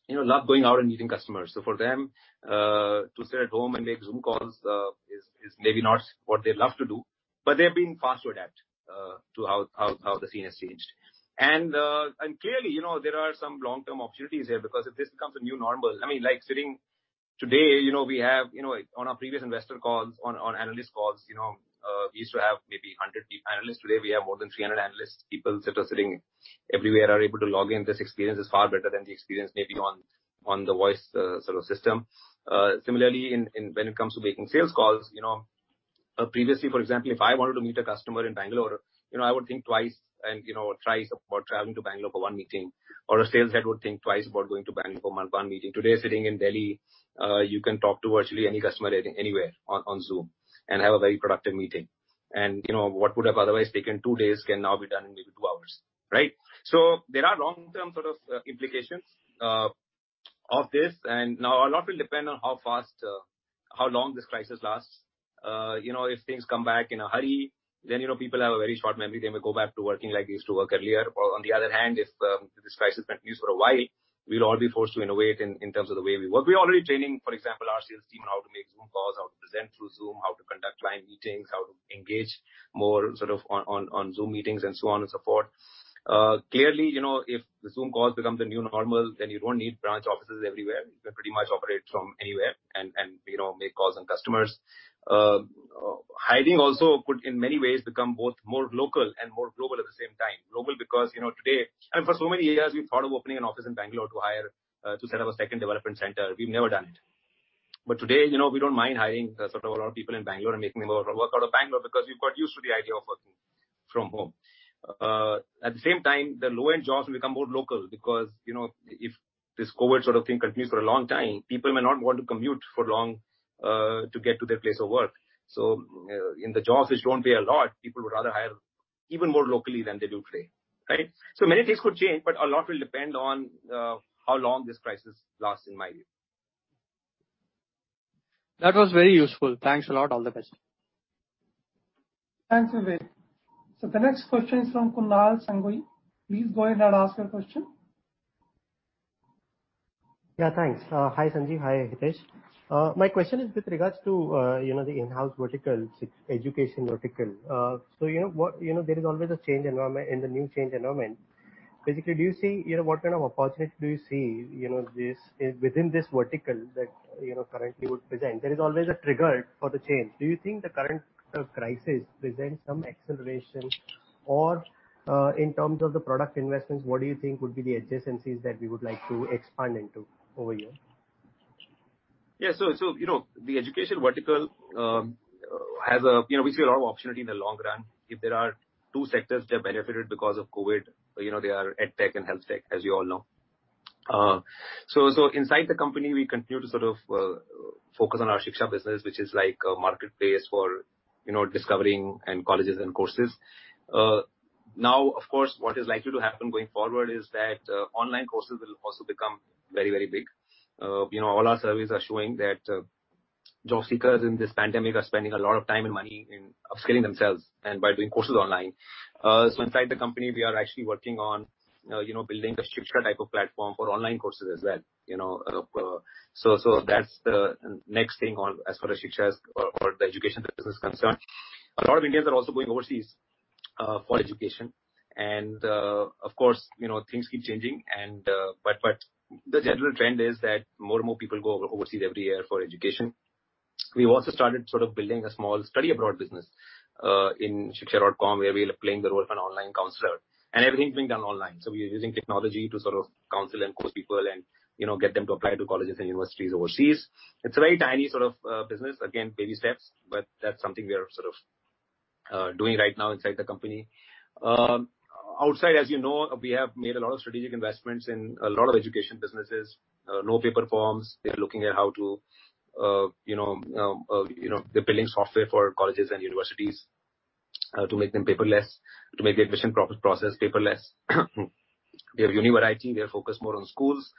Speaker 2: love going out and meeting customers. For them, to sit at home and make Zoom calls is maybe not what they love to do, but they've been fast to adapt to how the scene has changed. Clearly, there are some long-term opportunities here because if this becomes a new normal, sitting today, on our previous investor calls, on analyst calls, we used to have maybe 100 analysts. Today, we have more than 300 analyst people that are sitting everywhere, are able to log in. This experience is far better than the experience maybe on the voice sort of system. Similarly, when it comes to making sales calls, previously, for example, if I wanted to meet a customer in Bangalore, I would think twice and thrice about traveling to Bangalore for one meeting, or a sales head would think twice about going to Bangalore for one meeting. Today, sitting in Delhi, you can talk to virtually any customer anywhere on Zoom and have a very productive meeting. What would have otherwise taken two days can now be done in maybe two hours, right? There are long-term sort of implications of this. Now a lot will depend on how long this crisis lasts. If things come back in a hurry, then people have a very short memory. They may go back to working like they used to work earlier. On the other hand, if this crisis continues for a while, we'll all be forced to innovate in terms of the way we work. We're already training, for example, our sales team on how to make Zoom calls, how to present through Zoom, how to conduct client meetings, how to engage more sort of on Zoom meetings, and so on and so forth. Clearly, if the Zoom calls become the new normal, then you don't need branch offices everywhere. You can pretty much operate from anywhere and make calls on customers. Hiring also could, in many ways, become both more local and more global at the same time. Global because today, and for so many years, we thought of opening an office in Bangalore to set up a second development center. We've never done it. Today, we don't mind hiring sort of a lot of people in Bangalore and making them all work out of Bangalore because we've got used to the idea of working from home. At the same time, the low-end jobs will become more local because, if this COVID-19 sort of thing continues for a long time, people may not want to commute for long to get to their place of work. In the jobs which don't pay a lot, people would rather hire even more locally than they do today, right? Many things could change, but a lot will depend on how long this crisis lasts, in my view.
Speaker 8: That was very useful. Thanks a lot. All the best.
Speaker 3: Thanks, Vivek. The next question is from Kunal Sanghavi. Please go ahead and ask your question.
Speaker 9: Yeah, thanks. Hi, Sanjeev. Hi, Hitesh. My question is with regards to the in-house vertical, Shiksha education vertical. There is always a change environment in the new change environment. Basically, what kind of opportunity do you see within this vertical that currently would present? There is always a trigger for the change. Do you think the current crisis presents some acceleration? In terms of the product investments, what do you think would be the adjacencies that we would like to expand into over here?
Speaker 2: Yeah. The education vertical, we see a lot of opportunity in the long run. If there are two sectors that benefited because of COVID-19, they are edtech and health tech, as you all know. Inside the company, we continue to sort of focus on our Shiksha business, which is like a marketplace for discovering colleges and courses. Of course, what is likely to happen going forward is that online courses will also become very big. All our surveys are showing that job seekers in this pandemic are spending a lot of time and money in upskilling themselves and by doing courses online. Inside the company, we are actually working on building a Shiksha type of platform for online courses as well. That's the next thing as far as Shiksha or the education business is concerned. A lot of Indians are also going overseas for education. Of course, things keep changing, but the general trend is that more and more people go overseas every year for education. We've also started sort of building a small study abroad business in shiksha.com, where we're playing the role of an online counselor. Everything's being done online. We are using technology to sort of counsel and coach people and get them to apply to colleges and universities overseas. It's a very tiny sort of business. Again, baby steps, but that's something we are sort of doing right now inside the company. Outside, as you know, we have made a lot of strategic investments in a lot of education businesses. NoPaperForms, they're building software for colleges and universities to make the admission process paperless. We have Univariety. We are focused more on schools,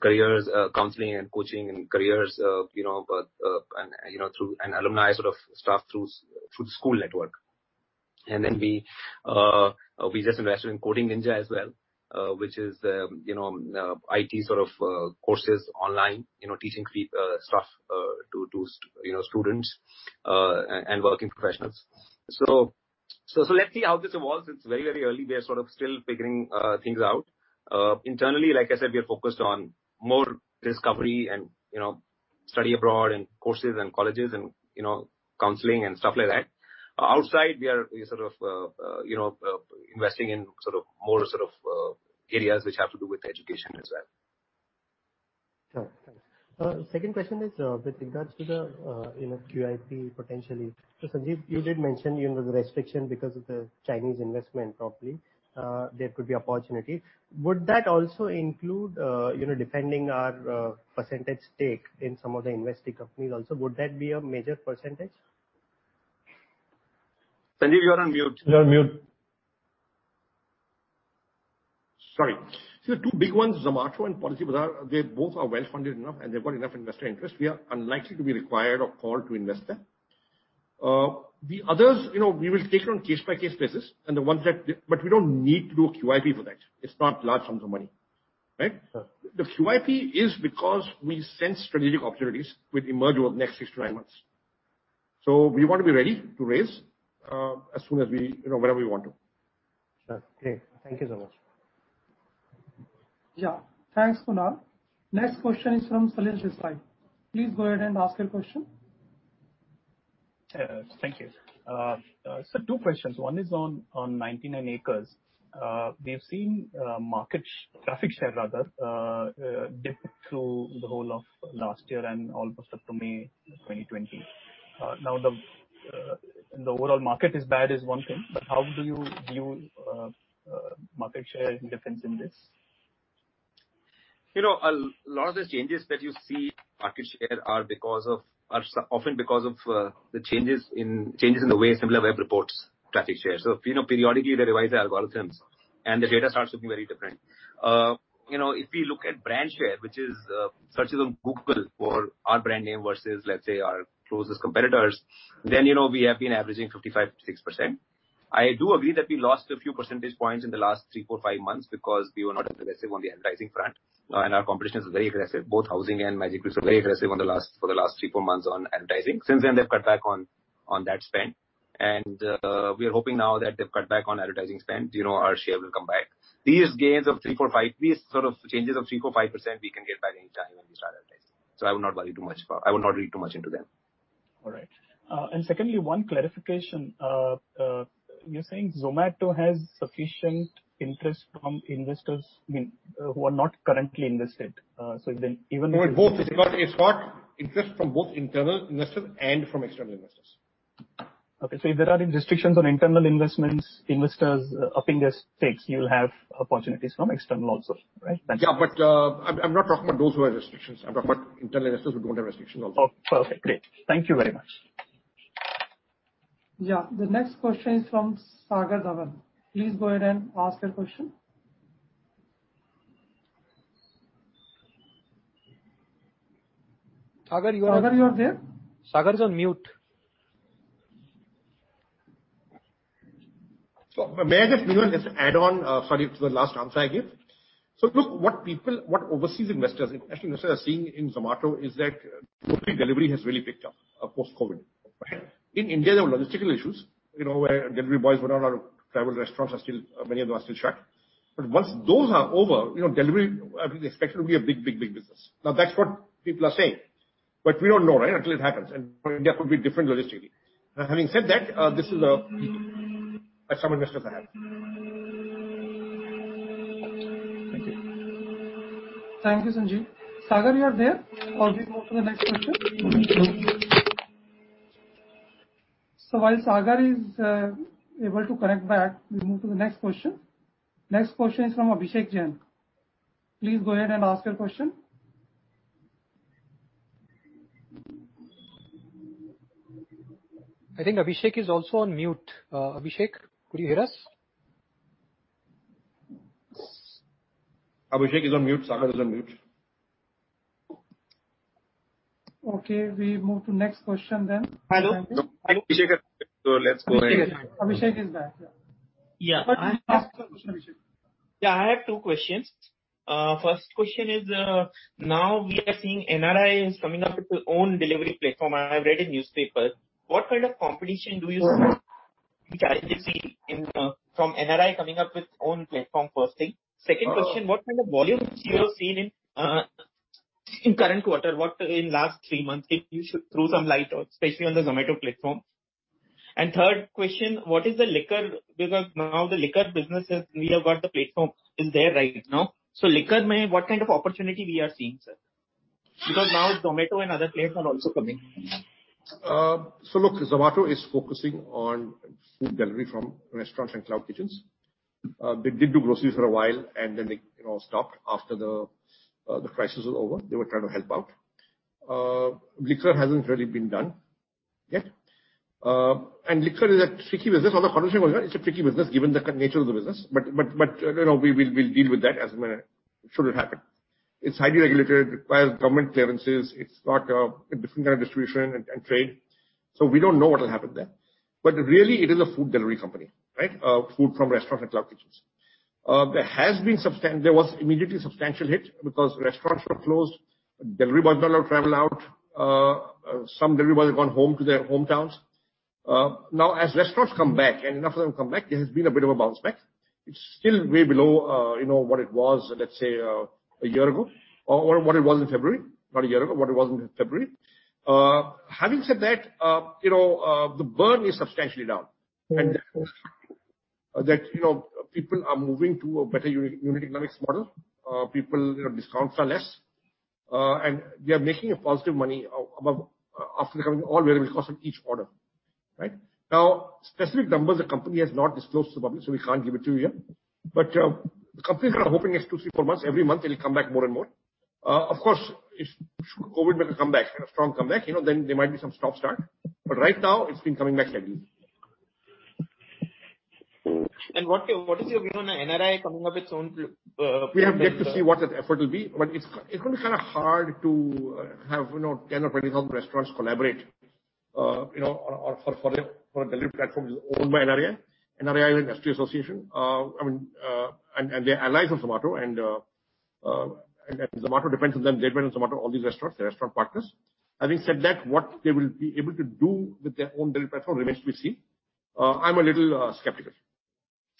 Speaker 2: careers counseling and coaching and careers, and alumni sort of stuff through the school network. We just invested in Coding Ninjas as well, which is IT sort of courses online, teaching stuff to students and working professionals. Let's see how this evolves. It's very early. We are sort of still figuring things out. Internally, like I said, we are focused on more discovery and study abroad and courses and colleges and counseling and stuff like that. Outside, we are sort of investing in more areas which have to do with education as well.
Speaker 9: Sure. Thanks. Second question is with regards to the QIP potentially. Sanjeev, you did mention the restriction because of the Chinese investment probably. There could be opportunity. Would that also include defending our percentage stake in some of the invested companies also? Would that be a major percentage?
Speaker 2: Sanjeev, you're on mute.
Speaker 3: You're on mute.
Speaker 6: Sorry. The two big ones, Zomato and Policybazaar, they both are well-funded enough, and they've got enough investor interest. We are unlikely to be required or called to invest there. The others, we will take it on case-by-case basis, but we don't need to do a QIP for that. It's not large sums of money. Right? The QIP is because we sense strategic opportunities, which emerge over the next six to nine months. We want to be ready to raise, whenever we want to.
Speaker 9: Sure. Great. Thank you so much.
Speaker 3: Yeah. Thanks, Kunal. Next question is from Salil Desai. Please go ahead and ask your question.
Speaker 10: Thank you. Sir, two questions. One is on 99acres. We have seen traffic share rather, dip through the whole of last year and all way up to May 2020. The overall market is bad is one thing, how do you view market share difference in this?
Speaker 6: A lot of the changes that you see in market share are often because of the changes in the way Similarweb reports traffic share. Periodically, they revise their algorithms, and the data starts looking very different. If we look at brand share, which is searches on Google for our brand name versus, let's say, our closest competitors, then we have been averaging 55%-56%. I do agree that we lost a few percentage points in the last three, four, five months because we were not aggressive on the advertising front. Our competition is very aggressive. Both Housing and Magic are very aggressive for the last three, four months on advertising. Since then they've cut back on that spend. We are hoping now that they've cut back on advertising spend, our share will come back. These gains of three, four, five, these sort of changes of three, four, five % we can get back anytime when we start advertising. I would not worry too much into them.
Speaker 10: All right. Secondly, one clarification. You're saying Zomato has sufficient interest from investors who are not currently invested. Even if-
Speaker 6: It's got interest from both internal investors and from external investors.
Speaker 10: Okay. If there are any restrictions on internal investments, investors upping their stakes, you'll have opportunities from external also, right? Thank you.
Speaker 6: I'm not talking about those who have restrictions. I'm talking about internal investors who don't have restrictions also.
Speaker 10: Oh, perfect. Great. Thank you very much.
Speaker 3: Yeah. The next question is from [Sagar Dhawan]. Please go ahead and ask your question. [Sagar], you are-
Speaker 1: [Sagar], you are there? [Sagar] is on mute.
Speaker 6: May I just, Desai, just add on, sorry, to the last answer I gave. Look, what overseas investors, international investors are seeing in Zomato is that delivery has really picked up post-COVID-19. In India, there were logistical issues, where delivery boys were not allowed to travel, restaurants, many of them are still shut. Once those are over, delivery, I think they expect it to be a big business. Now, that's what people are saying, but we don't know until it happens, and India could be different logistically. Now, having said that, this is a view that some investors have.
Speaker 10: Thank you.
Speaker 3: Thank you, Sanjeev. [Sagar], you are there? We move to the next question? While [Sagar] is able to connect back, we move to the next question. Next question is from [Abhishek] [Jain]. Please go ahead and ask your question.
Speaker 1: I think [Abhishek] is also on mute. Abhishek, could you hear us?
Speaker 6: Abhishek is on mute. [Sagar] is on mute.
Speaker 3: Okay, we move to next question then.
Speaker 11: Hello.
Speaker 6: I think [Abhishek] has returned, let's go ahead.
Speaker 3: Abhishek is back, yeah.
Speaker 11: Yeah.
Speaker 3: Ask your question, Abhishek.
Speaker 11: Yeah, I have two questions. First question is, now we are seeing NRAI is coming up with their own delivery platform, and I have read in newspaper. What kind of competition do you see from NRAI coming up with own platform first thing? Second question, what kind of volumes you have seen in current quarter, in last three months? If you should throw some light on, especially on the Zomato platform. Third question, what is the liquor business now? The liquor business is, we have got the platform is there right now. Liquor, what kind of opportunity we are seeing, sir? Because now Zomato and other players are also coming.
Speaker 6: Zomato is focusing on food delivery from restaurants and cloud kitchens. They did do groceries for a while, they stopped after the crisis was over. They were trying to help out. Liquor hasn't really been done yet. Liquor is a tricky business or the alcohol segment, it's a tricky business given the nature of the business. We'll deal with that as and when it should happen. It's highly regulated, requires government clearances. It's got a different kind of distribution and trade. We don't know what will happen there. Really it is a food delivery company. Food from restaurants and cloud kitchens. There was immediately substantial hit because restaurants were closed. Delivery boys were not allowed to travel out. Some delivery boys had gone home to their hometowns. As restaurants come back and enough of them come back, there has been a bit of a bounce back. It's still way below what it was, let's say, a year ago or what it was in February. Not a year ago, what it was in February. Having said that, the burn is substantially down and that people are moving to a better unit economics model. Discounts are less, we are making a positive money after accounting all variable costs on each order. Right? Specific numbers the company has not disclosed to the public, we can't give it to you. The company is hoping next two, three, four months, every month it'll come back more and more. Of course, if COVID makes a comeback, a strong comeback, then there might be some stop-start. Right now it's been coming back steadily.
Speaker 11: What is your view on NRAI coming up its own?
Speaker 6: We have yet to see what that effort will be, but it's going to be hard to have 10 or 20 some restaurants collaborate for a delivery platform that is owned by NRAI. NRAI is an industry association, and they're allies of Zomato, and Zomato depends on them. They depend on Zomato, all these restaurants, the restaurant partners. Having said that, what they will be able to do with their own delivery platform remains to be seen. I'm a little skeptical.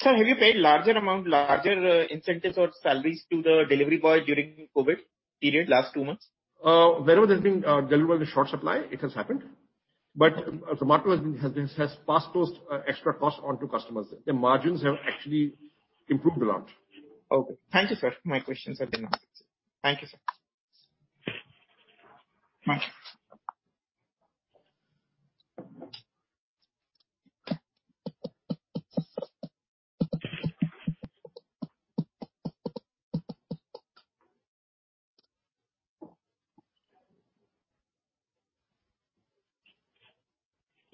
Speaker 11: Sir, have you paid larger amount, larger incentives or salaries to the delivery boy during COVID period last two months?
Speaker 6: Wherever there's been delivery boy in short supply, it has happened. Zomato has passed those extra costs on to customers. The margins have actually improved a lot.
Speaker 11: Okay. Thank you, sir. My questions have been asked. Thank you, sir.
Speaker 6: Thank you.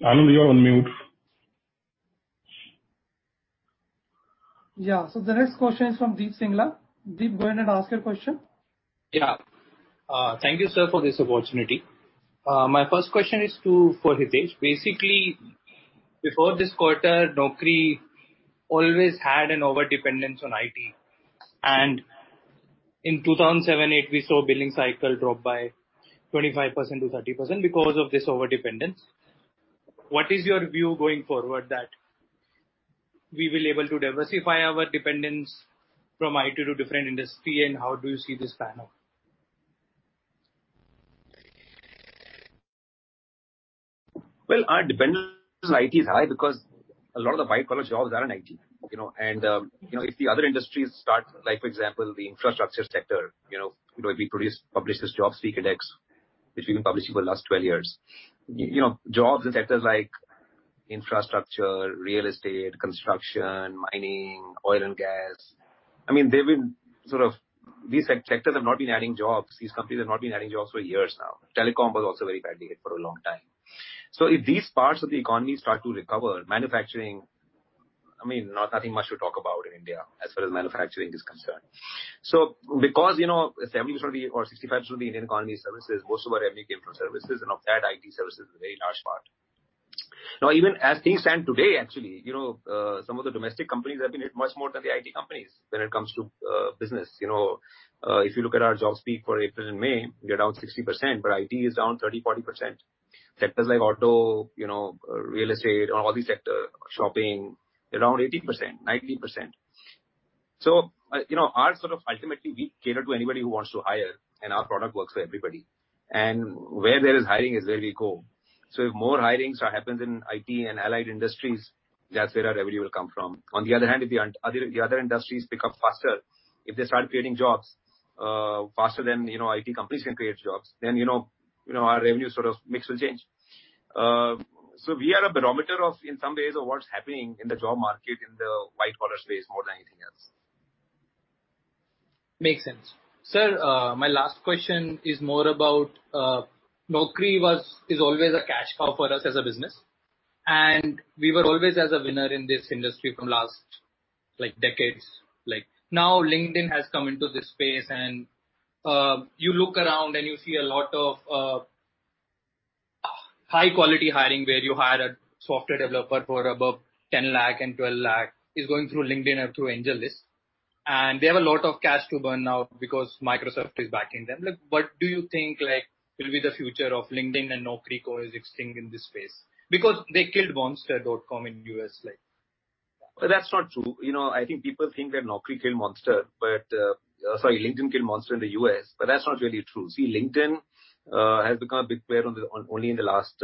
Speaker 1: Anand, you're on mute.
Speaker 3: Yeah. The next question is from [Deep Singla]. [Deep], go ahead and ask your question.
Speaker 12: Yeah. Thank you, sir, for this opportunity. My first question is for Hitesh. Basically, before this quarter, Naukri always had an overdependence on IT. In 2007-2008, we saw billing cycle drop by 25%-30% because of this overdependence. What is your view going forward that we will able to diversify our dependence from IT to different industry, and how do you see this playing out?
Speaker 2: Well, our dependence on IT is high because a lot of the white-collar jobs are in IT. If the other industries start, for example, the infrastructure sector, we publish this Jobs Peak Index, which we've been publishing for the last 12 years. Jobs in sectors like infrastructure, real estate, construction, mining, oil and gas, these sectors have not been adding jobs. These companies have not been adding jobs for years now. Telecom was also very badly hit for a long time. If these parts of the economy start to recover, manufacturing, nothing much to talk about in India as far as manufacturing is concerned. Because 70% or 65% of the Indian economy is services, most of our revenue came from services, and of that, IT services is a very large part. Even as things stand today, actually, some of the domestic companies have been hit much more than the IT companies when it comes to business. If you look at ourJobs Peak for April and May, we are down 60%, but IT is down 30%, 40%. Sectors like auto, real estate, all these sectors, shopping, they're down 80%, 90%. Ultimately, we cater to anybody who wants to hire, and our product works for everybody. Where there is hiring is where we go. If more hiring happens in IT and allied industries, that's where our revenue will come from. On the other hand, if the other industries pick up faster, if they start creating jobs faster than IT companies can create jobs, then our revenue mix will change. We are a barometer of, in some ways, of what's happening in the job market in the white-collar space more than anything else.
Speaker 12: Makes sense. Sir, my last question is more about Naukri is always a cash cow for us as a business, and we were always as a winner in this industry from last decades. Now LinkedIn has come into this space, and you look around and you see a lot of high-quality hiring where you hire a software developer for above 10 lakh and 12 lakh is going through LinkedIn or through AngelList. They have a lot of cash to burn now because Microsoft is backing them. What do you think will be the future of LinkedIn and Naukri coexisting in this space? They killed Monster.com in U.S.
Speaker 2: That's not true. I think people think that LinkedIn killed Monster in the U.S. That's not really true. See, LinkedIn has become a big player only in the last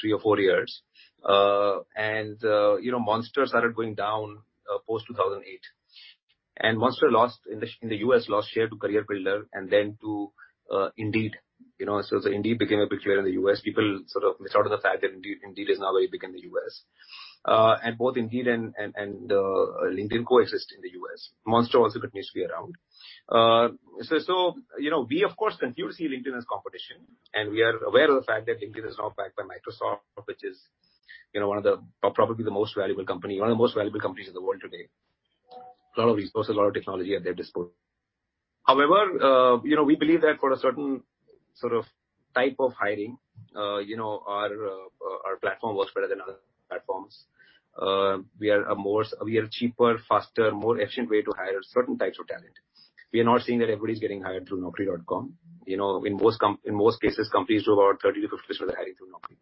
Speaker 2: three or four years. Monster started going down post-2008. Monster, in the U.S., lost share to CareerBuilder and then to Indeed. As Indeed became a big player in the U.S., people sort of missed out on the fact that Indeed is now very big in the U.S. Both Indeed and LinkedIn coexist in the U.S. Monster also continues to be around. We, of course, continue to see LinkedIn as competition, and we are aware of the fact that LinkedIn is now backed by Microsoft, which is probably the most valuable company in the world today. A lot of resource, a lot of technology at their disposal. However, we believe that for a certain type of hiring, our platform works better than other platforms. We are cheaper, faster, more efficient way to hire certain types of talent. We are not saying that everybody's getting hired through Naukri.com. In most cases, companies do about 30%-50% of their hiring through Naukri.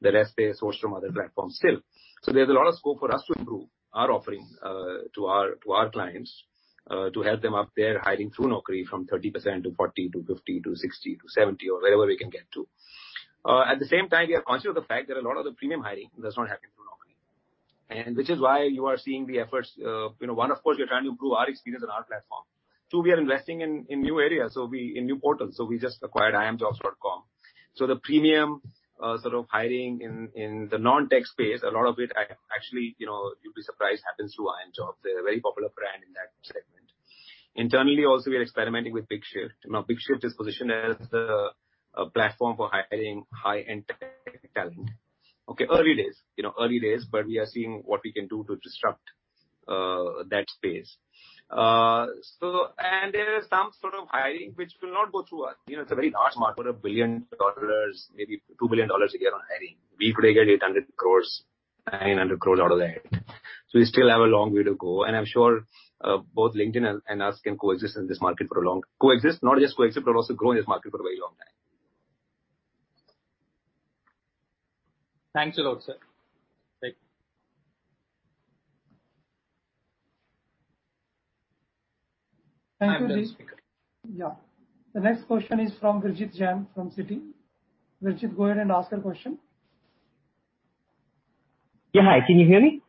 Speaker 2: The rest they source from other platforms still. There's a lot of scope for us to improve our offering to our clients to help them up their hiring through Naukri from 30% to 40% to 50% to 60% to 70% or wherever we can get to. At the same time, we are conscious of the fact that a lot of the premium hiring does not happen through Naukri. Which is why you are seeing the efforts, one, of course, we are trying to improve our experience on our platform. Two, we are investing in new areas, in new portals. We just acquired iimjobs.com. The premium hiring in the non-tech space, a lot of it actually, you'd be surprised, happens through iimjobs. They're a very popular brand. Internally also, we are experimenting with BigShyft. BigShyft is positioned as the platform for hiring high-end talent. Early days, but we are seeing what we can do to disrupt that space. There is some sort of hiring which will not go through us. It's a very large market of $1 billion, maybe $2 billion a year on hiring. We could get 800 crores, 900 crores out of that. We still have a long way to go, and I'm sure both LinkedIn and us can coexist in this market. Not just coexist, but also grow in this market for a very long time.
Speaker 12: Thanks a lot, sir. Thank you.
Speaker 3: Thank you, [Deep]. Yeah. The next question is from Vijit Jain from Citi. Vijit, go ahead and ask your question.
Speaker 13: Yeah. Hi, can you hear me?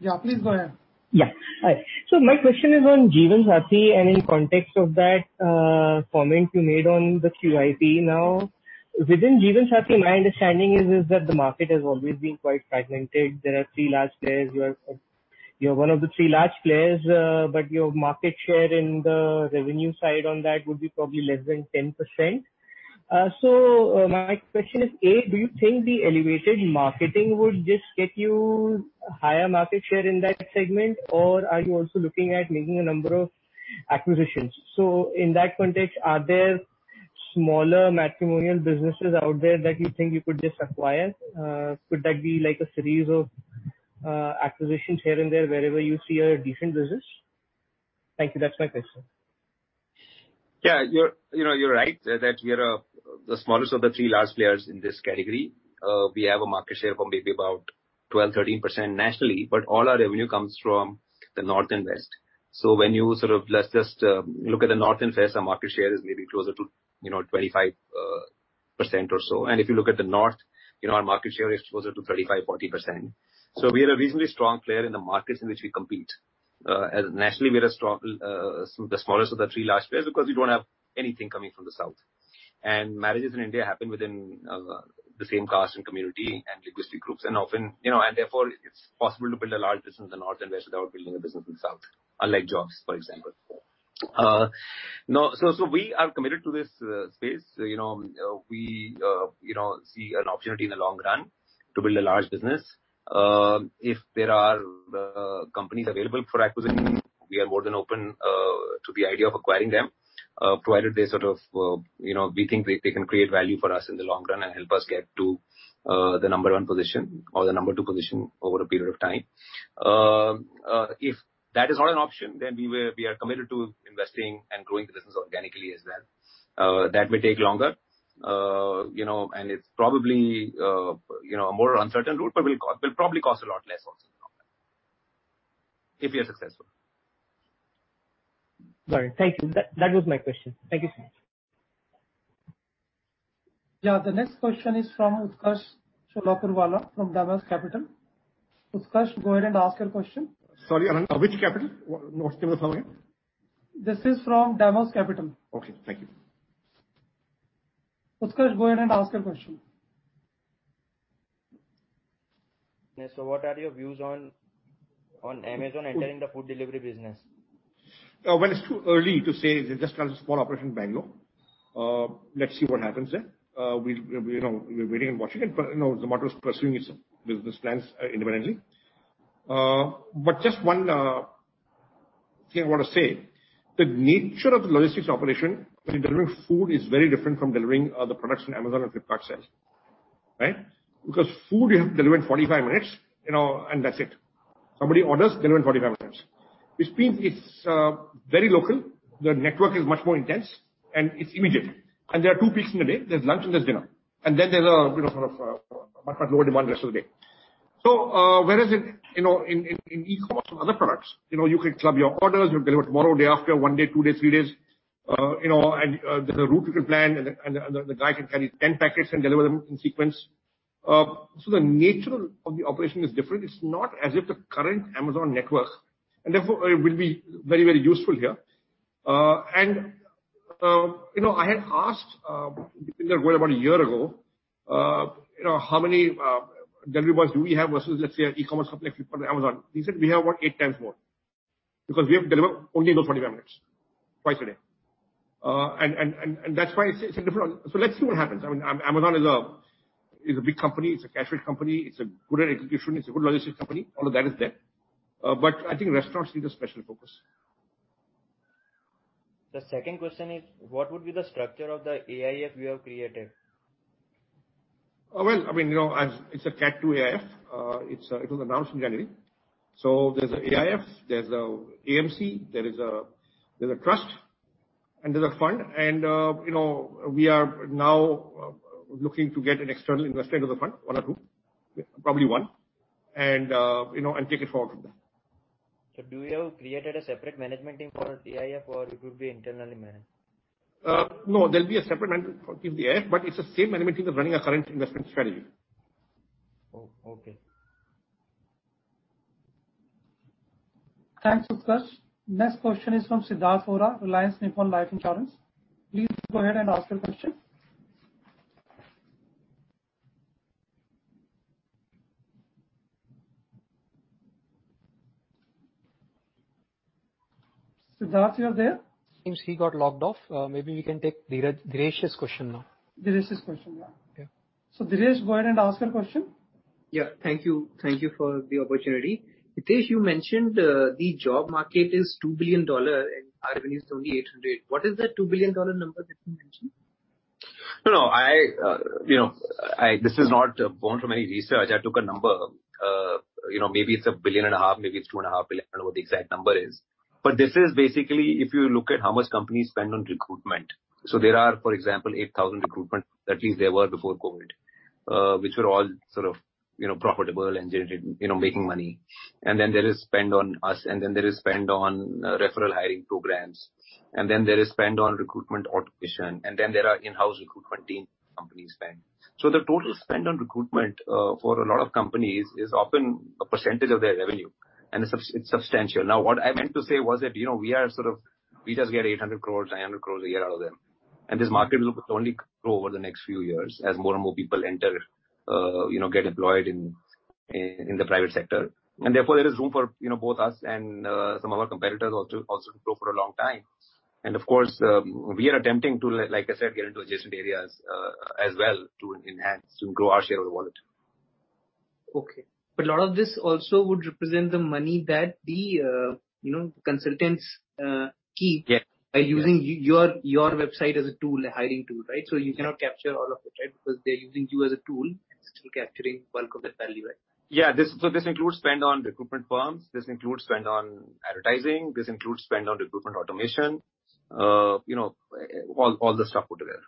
Speaker 3: Yeah, please go ahead.
Speaker 13: Yeah. Hi. My question is on Jeevansathi, and in context of that comment you made on the QIP now. Within Jeevansathi, my understanding is that the market has always been quite fragmented. There are three large players. You're one of the three large players, but your market share in the revenue side on that would be probably less than 10%. My question is, A, do you think the elevated marketing would just get you higher market share in that segment, or are you also looking at making a number of acquisitions? In that context, are there smaller matrimonial businesses out there that you think you could just acquire? Could that be like a series of acquisitions here and there wherever you see a decent business? Thank you. That's my question.
Speaker 2: Yeah, you're right. That we are the smallest of the three large players in this category. We have a market share of maybe about 12, 13% nationally, but all our revenue comes from the north and west. When you sort of let's just look at the north and west, our market share is maybe closer to 25% or so. If you look at the north, our market share is closer to 35, 40%. We are a reasonably strong player in the markets in which we compete. Nationally, we are the smallest of the three large players because we don't have anything coming from the south. Marriages in India happen within the same caste and community and linguistic groups. Therefore, it's possible to build a large business in the north and west without building a business in south, unlike jobs, for example. We are committed to this space. We see an opportunity in the long run to build a large business. If there are companies available for acquisition, we are more than open to the idea of acquiring them, provided we think they can create value for us in the long run and help us get to the number one position or the number two position over a period of time. If that is not an option, then we are committed to investing and growing the business organically as well. That may take longer, and it's probably a more uncertain route, but will probably cost a lot less also in the long run if we are successful.
Speaker 13: Great. Thank you. That was my question. Thank you so much.
Speaker 3: Yeah. The next question is from Utkarsh Solapurwala from Damos Capital. Utkarsh, go ahead and ask your question.
Speaker 6: Sorry, Anand. Which capital? What's the name of the firm again?
Speaker 3: This is from Damos Capital.
Speaker 6: Okay. Thank you.
Speaker 3: Utkarsh, go ahead and ask your question.
Speaker 14: Yes. What are your views on Amazon entering the food delivery business?
Speaker 6: Well, it's too early to say. They just have a small operation in Bangalore. Let's see what happens there. We're waiting and watching it, but Amazon is pursuing its business plans independently. Just one thing I want to say, the nature of the logistics operation in delivering food is very different from delivering the products on Amazon and Flipkart sales. Right? Because food you have to deliver in 45 minutes, and that's it. Somebody orders, deliver in 45 minutes. Which means it's very local, the network is much more intense, and it's immediate. There are two peaks in the day. There's lunch and there's dinner. There's a much, much lower demand rest of the day. Whereas in e-commerce for other products, you could club your orders, you deliver tomorrow, day after, one day, two day, three days. there's a route you can plan, and the guy can carry 10 packets and deliver them in sequence. The nature of the operation is different. It's not as if the current Amazon network, and therefore it will be very, very useful here. I had asked about a year ago, how many delivery bikes do we have versus, let's say, an e-commerce company like Flipkart and Amazon. He said we have about 8x more because we have to deliver only in those 45 minutes, twice a day. That's why it's different. Let's see what happens. I mean, Amazon is a big company. It's a cash-rich company. It's a good execution. It's a good logistics company. All of that is there. I think restaurants need a special focus.
Speaker 14: The second question is, what would be the structure of the AIF you have created?
Speaker 6: Well, it's a Cat II AIF. It was announced in January. There's an AIF, there's an AMC, there's a trust, and there's a fund. We are now looking to get an external investor into the fund. One or two. Probably one. Take it forward from there.
Speaker 14: Do you have created a separate management team for AIF or it would be internally managed?
Speaker 6: No, there'll be a separate management for AIF, but it's the same management team running our current investment strategy.
Speaker 14: Oh, okay.
Speaker 3: Thanks, Utkarsh. Next question is from Siddharth Vora, Reliance Nippon Life Insurance. Please go ahead and ask your question Siddharth, you are there?
Speaker 1: Seems he got logged off. Maybe we can take [Dheeraj's] question now.
Speaker 3: Dheeraj's question, yeah. Yeah. [Dheeraj], go ahead and ask your question.
Speaker 15: Yeah. Thank you. Thank you for the opportunity. Hitesh, you mentioned, the job market is $2 billion and our revenue is only 800. What is that $2 billion number that you mentioned?
Speaker 2: No. This is not born from any research. I took a number. Maybe it's $1.5 billion, maybe it's $2.5 billion. I don't know what the exact number is. This is basically if you look at how much companies spend on recruitment. There are, for example, 8,000 recruitment, at least there were before COVID, which were all profitable and making money. Then there is spend on us, and then there is spend on referral hiring programs, and then there is spend on recruitment automation, and then there are in-house recruitment teams companies spend. The total spend on recruitment, for a lot of companies is often a percentage of their revenue, and it's substantial. Now, what I meant to say was that, we just get 800 crore-900 crore a year out of them. This market will only grow over the next few years as more and more people enter, get employed in the private sector. Therefore, there is room for both us and some of our competitors also to grow for a long time. Of course, we are attempting to, like I said, get into adjacent areas, as well to enhance, to grow our share of the wallet.
Speaker 15: Okay. a lot of this also would represent the money that the consultants keep-.
Speaker 2: Yeah.
Speaker 15: By using your website as a tool, a hiring tool, right? you cannot capture all of it, right? Because they're using you as a tool and still capturing bulk of that value, right?
Speaker 2: Yeah. This includes spend on recruitment firms, this includes spend on advertising, this includes spend on recruitment automation, all the stuff over there.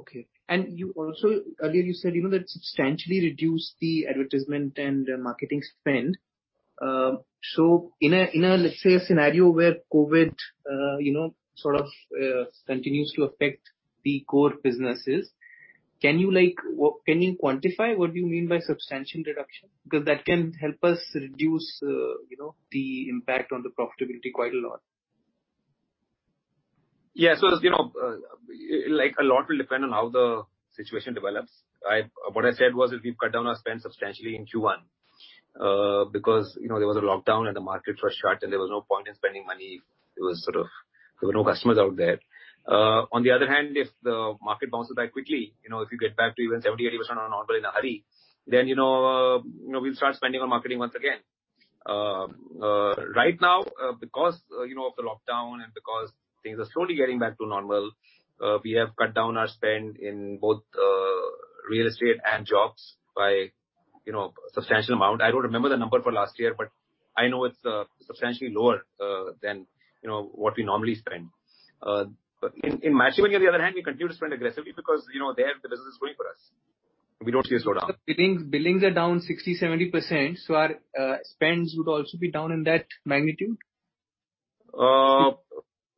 Speaker 15: Okay. earlier you said that substantially reduce the advertisement and marketing spend. in a, let's say, a scenario where COVID continues to affect the core businesses, can you quantify what do you mean by substantial reduction? Because that can help us reduce the impact on the profitability quite a lot.
Speaker 2: Yeah. A lot will depend on how the situation develops, right? What I said was that we've cut down our spend substantially in Q1. Because there was a lockdown and the markets were shut, and there was no point in spending money. There were no customers out there. On the other hand, if the market bounces back quickly, if we get back to even 70%, 80% of normal in a hurry, then we'll start spending on marketing once again. Right now, because of the lockdown and because things are slowly getting back to normal, we have cut down our spend in both real estate and jobs by substantial amount. I don't remember the number for last year, but I know it's substantially lower than what we normally spend. In matchmaking, on the other hand, we continue to spend aggressively because there the business is growing for us, and we don't see a slowdown.
Speaker 15: Billings are down 60%-70%, so our spends would also be down in that magnitude?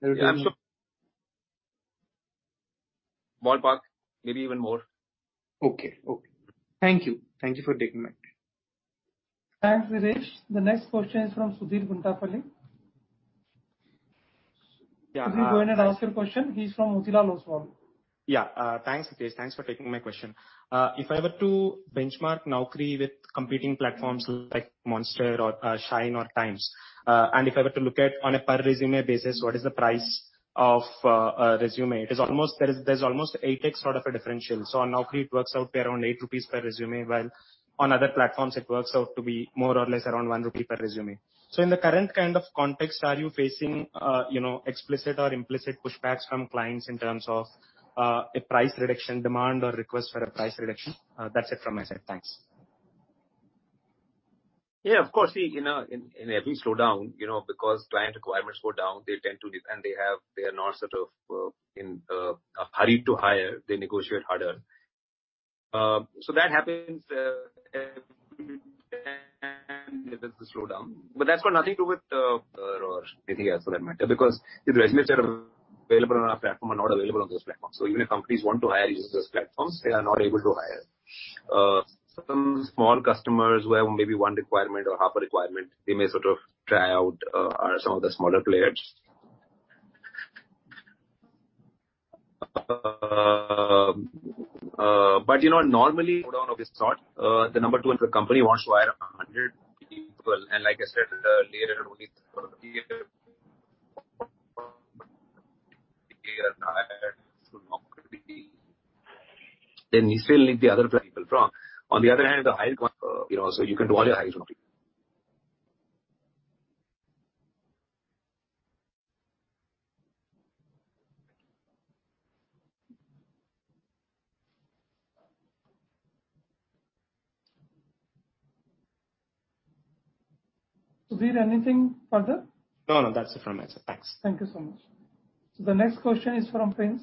Speaker 2: Yeah. I'm sure. ballpark, maybe even more.
Speaker 15: Okay. Okay. Thank you. Thank you for taking my question.
Speaker 3: Thanks, [Dheeraj]. The next question is from Sudheer Guntapalli.
Speaker 16: Yeah.
Speaker 3: Sudheer, go ahead and ask your question. He's from Motilal Oswal.
Speaker 16: Yeah. Thanks, Hitesh. Thanks for taking my question. If I were to benchmark Naukri with competing platforms like Monster or Shine or TimesJobs, and if I were to look at on a per resume basis, what is the price of a resume? There's almost 8x sort of a differential. On Naukri, it works out to around 8 rupees per resume, while on other platforms it works out to be more or less around 1 rupee per resume. In the current kind of context, are you facing explicit or implicit pushbacks from clients in terms of a price reduction demand or request for a price reduction? That's it from my side. Thanks.
Speaker 2: Yeah, of course. See, in every slowdown, because client requirements go down, they are not in a hurry to hire, they negotiate harder. That happens if it's a slowdown. That's got nothing to do with or anything else for that matter. Because the resumes that are available on our platform are not available on those platforms. Even if companies want to hire using those platforms, they are not able to hire. Some small customers who have maybe one requirement or half a requirement, they may try out some of the smaller players. Normally, slowdown of this sort, the number two in the company wants to hire then he still needs the other people from. You can do [all your hiring from Naukri]. [inaudible]
Speaker 3: Sudheer, anything further?
Speaker 16: No, no, that's it from my side. Thanks.
Speaker 3: Thank you so much. The next question is from [Prince].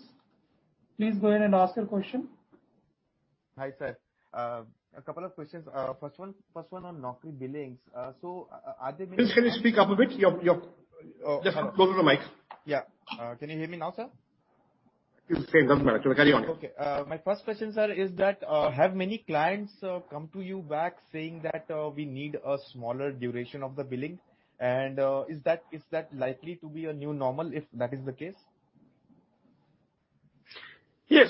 Speaker 3: Please go ahead and ask your question.
Speaker 17: Hi, sir. A couple of questions. First one on Naukri billings. are they-
Speaker 3: Prince, can you speak up a bit? Just go to the mic.
Speaker 17: Yeah. Can you hear me now, sir?
Speaker 2: It's the same, doesn't matter. Carry on.
Speaker 17: Okay. My first question, sir, is that, have many clients come to you back saying that, "We need a smaller duration of the billing." Is that likely to be a new normal if that is the case?
Speaker 6: Yeah.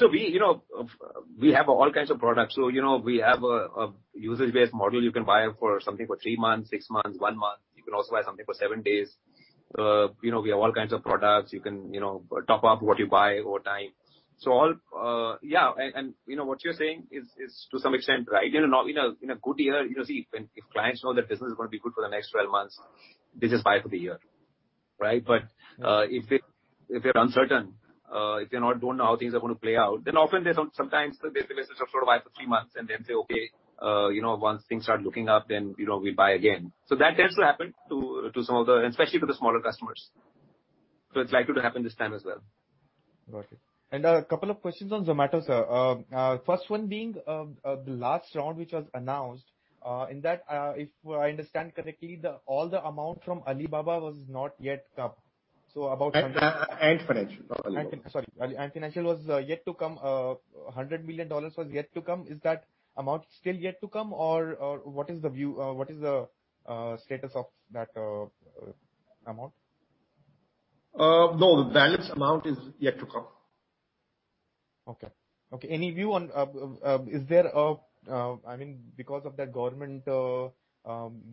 Speaker 6: We have all kinds of products. We have a usage-based model you can buy for something for three months, six months, one month. You can also buy something for seven days. We have all kinds of products. You can top up what you buy over time. What you're saying is to some extent right. In a good year, if clients know their business is going to be good for the next 12 months, they just buy for the year. Right? If they're uncertain, if they don't know how things are going to play out, then often sometimes they basically just buy for three months and then say, okay, once things start looking up, then we buy again. That tends to happen especially to the smaller customers. It's likely to happen this time as well.
Speaker 17: Got it. A couple of questions on Zomato, sir. First one being, the last round which was announced, in that, if I understand correctly, all the amount from Alibaba was not yet come.
Speaker 6: Ant Financial, not Alibaba.
Speaker 17: Sorry. Ant Financial was yet to come. INR 100 million was yet to come. Is that amount still yet to come? What is the status of that amount?
Speaker 6: No, the balance amount is yet to come.
Speaker 17: Okay. Any view on, because of that government,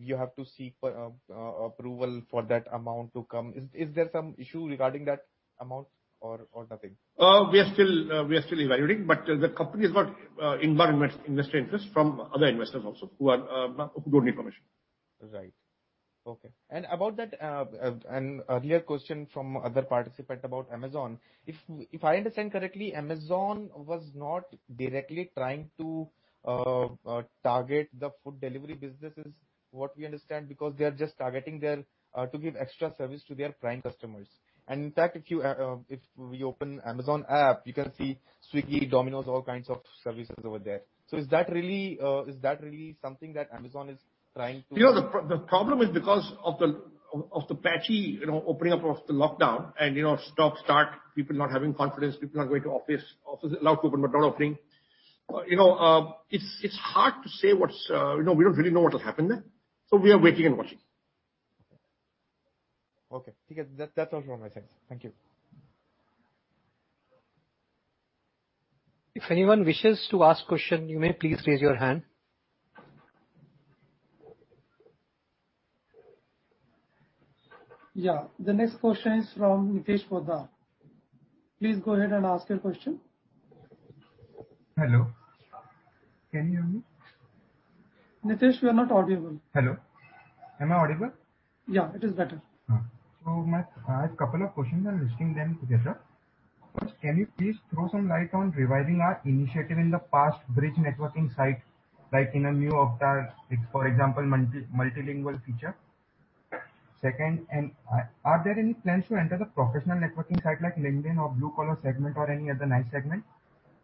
Speaker 17: you have to seek approval for that amount to come. Is there some issue regarding that amount or nothing?
Speaker 6: We are still evaluating, but the company has got investor interest from other investors also who don't need permission.
Speaker 17: Right. Okay. about that earlier question from other participant about Amazon. If I understand correctly, Amazon was not directly trying to target the food delivery business is what we understand, because they're just targeting to give extra service to their Prime customers. In fact, if we open Amazon app, you can see Swiggy, Domino's, all kinds of services over there. is that really something that Amazon is trying to-.
Speaker 6: The problem is because of the patchy opening up of the lockdown and stop, start, people not having confidence, people not going to office, offices allowed to open but not opening. It's hard to say. We don't really know what will happen there, so we are waiting and watching.
Speaker 17: Okay. That's all from my side. Thank you.
Speaker 1: If anyone wishes to ask question, you may please raise your hand.
Speaker 3: Yeah. The next question is from Nitesh Poddar. Please go ahead and ask your question.
Speaker 18: Hello. Can you hear me?
Speaker 3: Nitesh, you are not audible.
Speaker 18: Hello. Am I audible?
Speaker 3: Yeah, it is better.
Speaker 18: I have a couple of questions. I'm listing them together. First, can you please throw some light on reviving our initiative in the past Brijj networking site, like in a new avatar, for example, multilingual feature? Second, are there any plans to enter the professional networking site like LinkedIn or blue-collar segment or any other niche segment?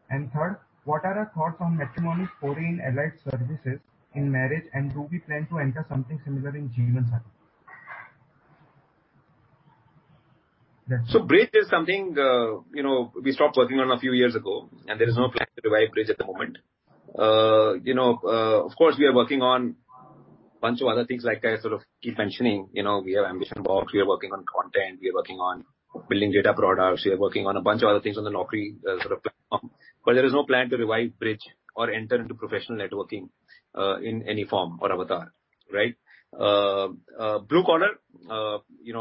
Speaker 18: third, what are your thoughts on matrimony foreign allied services in marriage, and do we plan to enter something similar in Jeevansathi?
Speaker 6: Brijj is something we stopped working on a few years ago, and there is no plan to revive Brijj at the moment. Of course, we are working on a bunch of other things, like I keep mentioning. We have AmbitionBox, we are working on content, we are working on building data products. We are working on a bunch of other things on the Naukri platform. there is no plan to revive Brijj or enter into professional networking in any form or avatar. Right? Blue collar,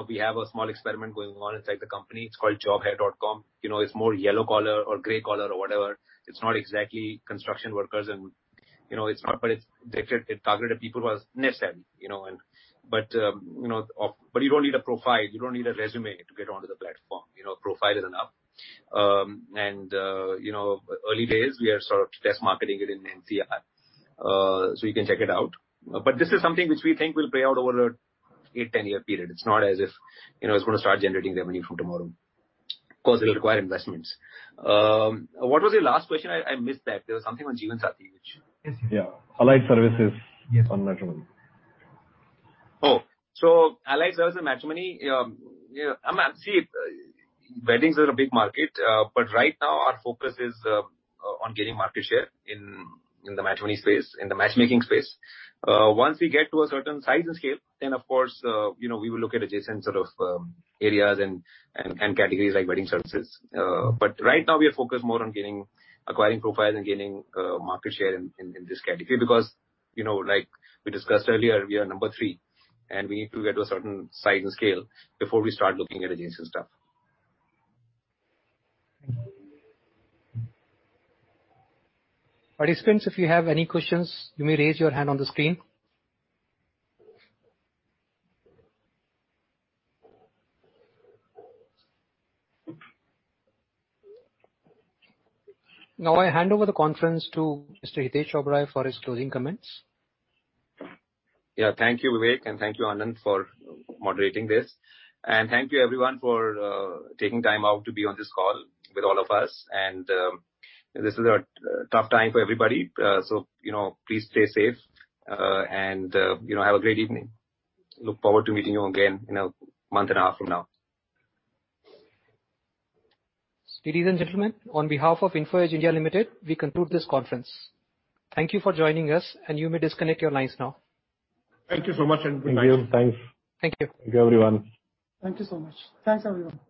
Speaker 6: we have a small experiment going on inside the company. It's called jobhai.com. It's more yellow collar or gray collar or whatever. It's not exactly construction workers and it's targeted at people who are [niche], you don't need a profile, you don't need a resume to get onto the platform. A profile is enough. early days, we are sort of test marketing it in NCR. you can check it out. this is something which we think will play out over an eight, 10-year period. It's not as if it's going to start generating revenue from tomorrow. Of course, it'll require investments. What was your last question? I missed that. There was something on Jeevansathi.
Speaker 18: Yeah. Allied services-. On matrimony.
Speaker 6: Oh. allied services matrimony. Weddings are a big market. Right now our focus is on gaining market share in the matchmaking space. Once we get to a certain size and scale, then of course, we will look at adjacent sort of areas and categories like wedding services. Right now we are focused more on acquiring profiles and gaining market share in this category because like we discussed earlier, we are number three and we need to get to a certain size and scale before we start looking at adjacent stuff.
Speaker 1: Participants, if you have any questions, you may raise your hand on the screen. Now I hand over the conference to Mr. Hitesh Oberoi for his closing comments.
Speaker 2: Yeah. Thank you, Vivek, and thank you, Anand, for moderating this. Thank you everyone for taking time out to be on this call with all of us. This is a tough time for everybody. Please stay safe, and have a great evening. Look forward to meeting you again in a month and a half from now.
Speaker 1: Ladies and gentlemen, on behalf of Info Edge India Limited, we conclude this conference. Thank you for joining us, and you may disconnect your lines now.
Speaker 6: Thank you so much, and good night.
Speaker 18: Thank you. Thanks.
Speaker 1: Thank you.
Speaker 2: Thank you, everyone.
Speaker 3: Thank you so much. Thanks, everyone.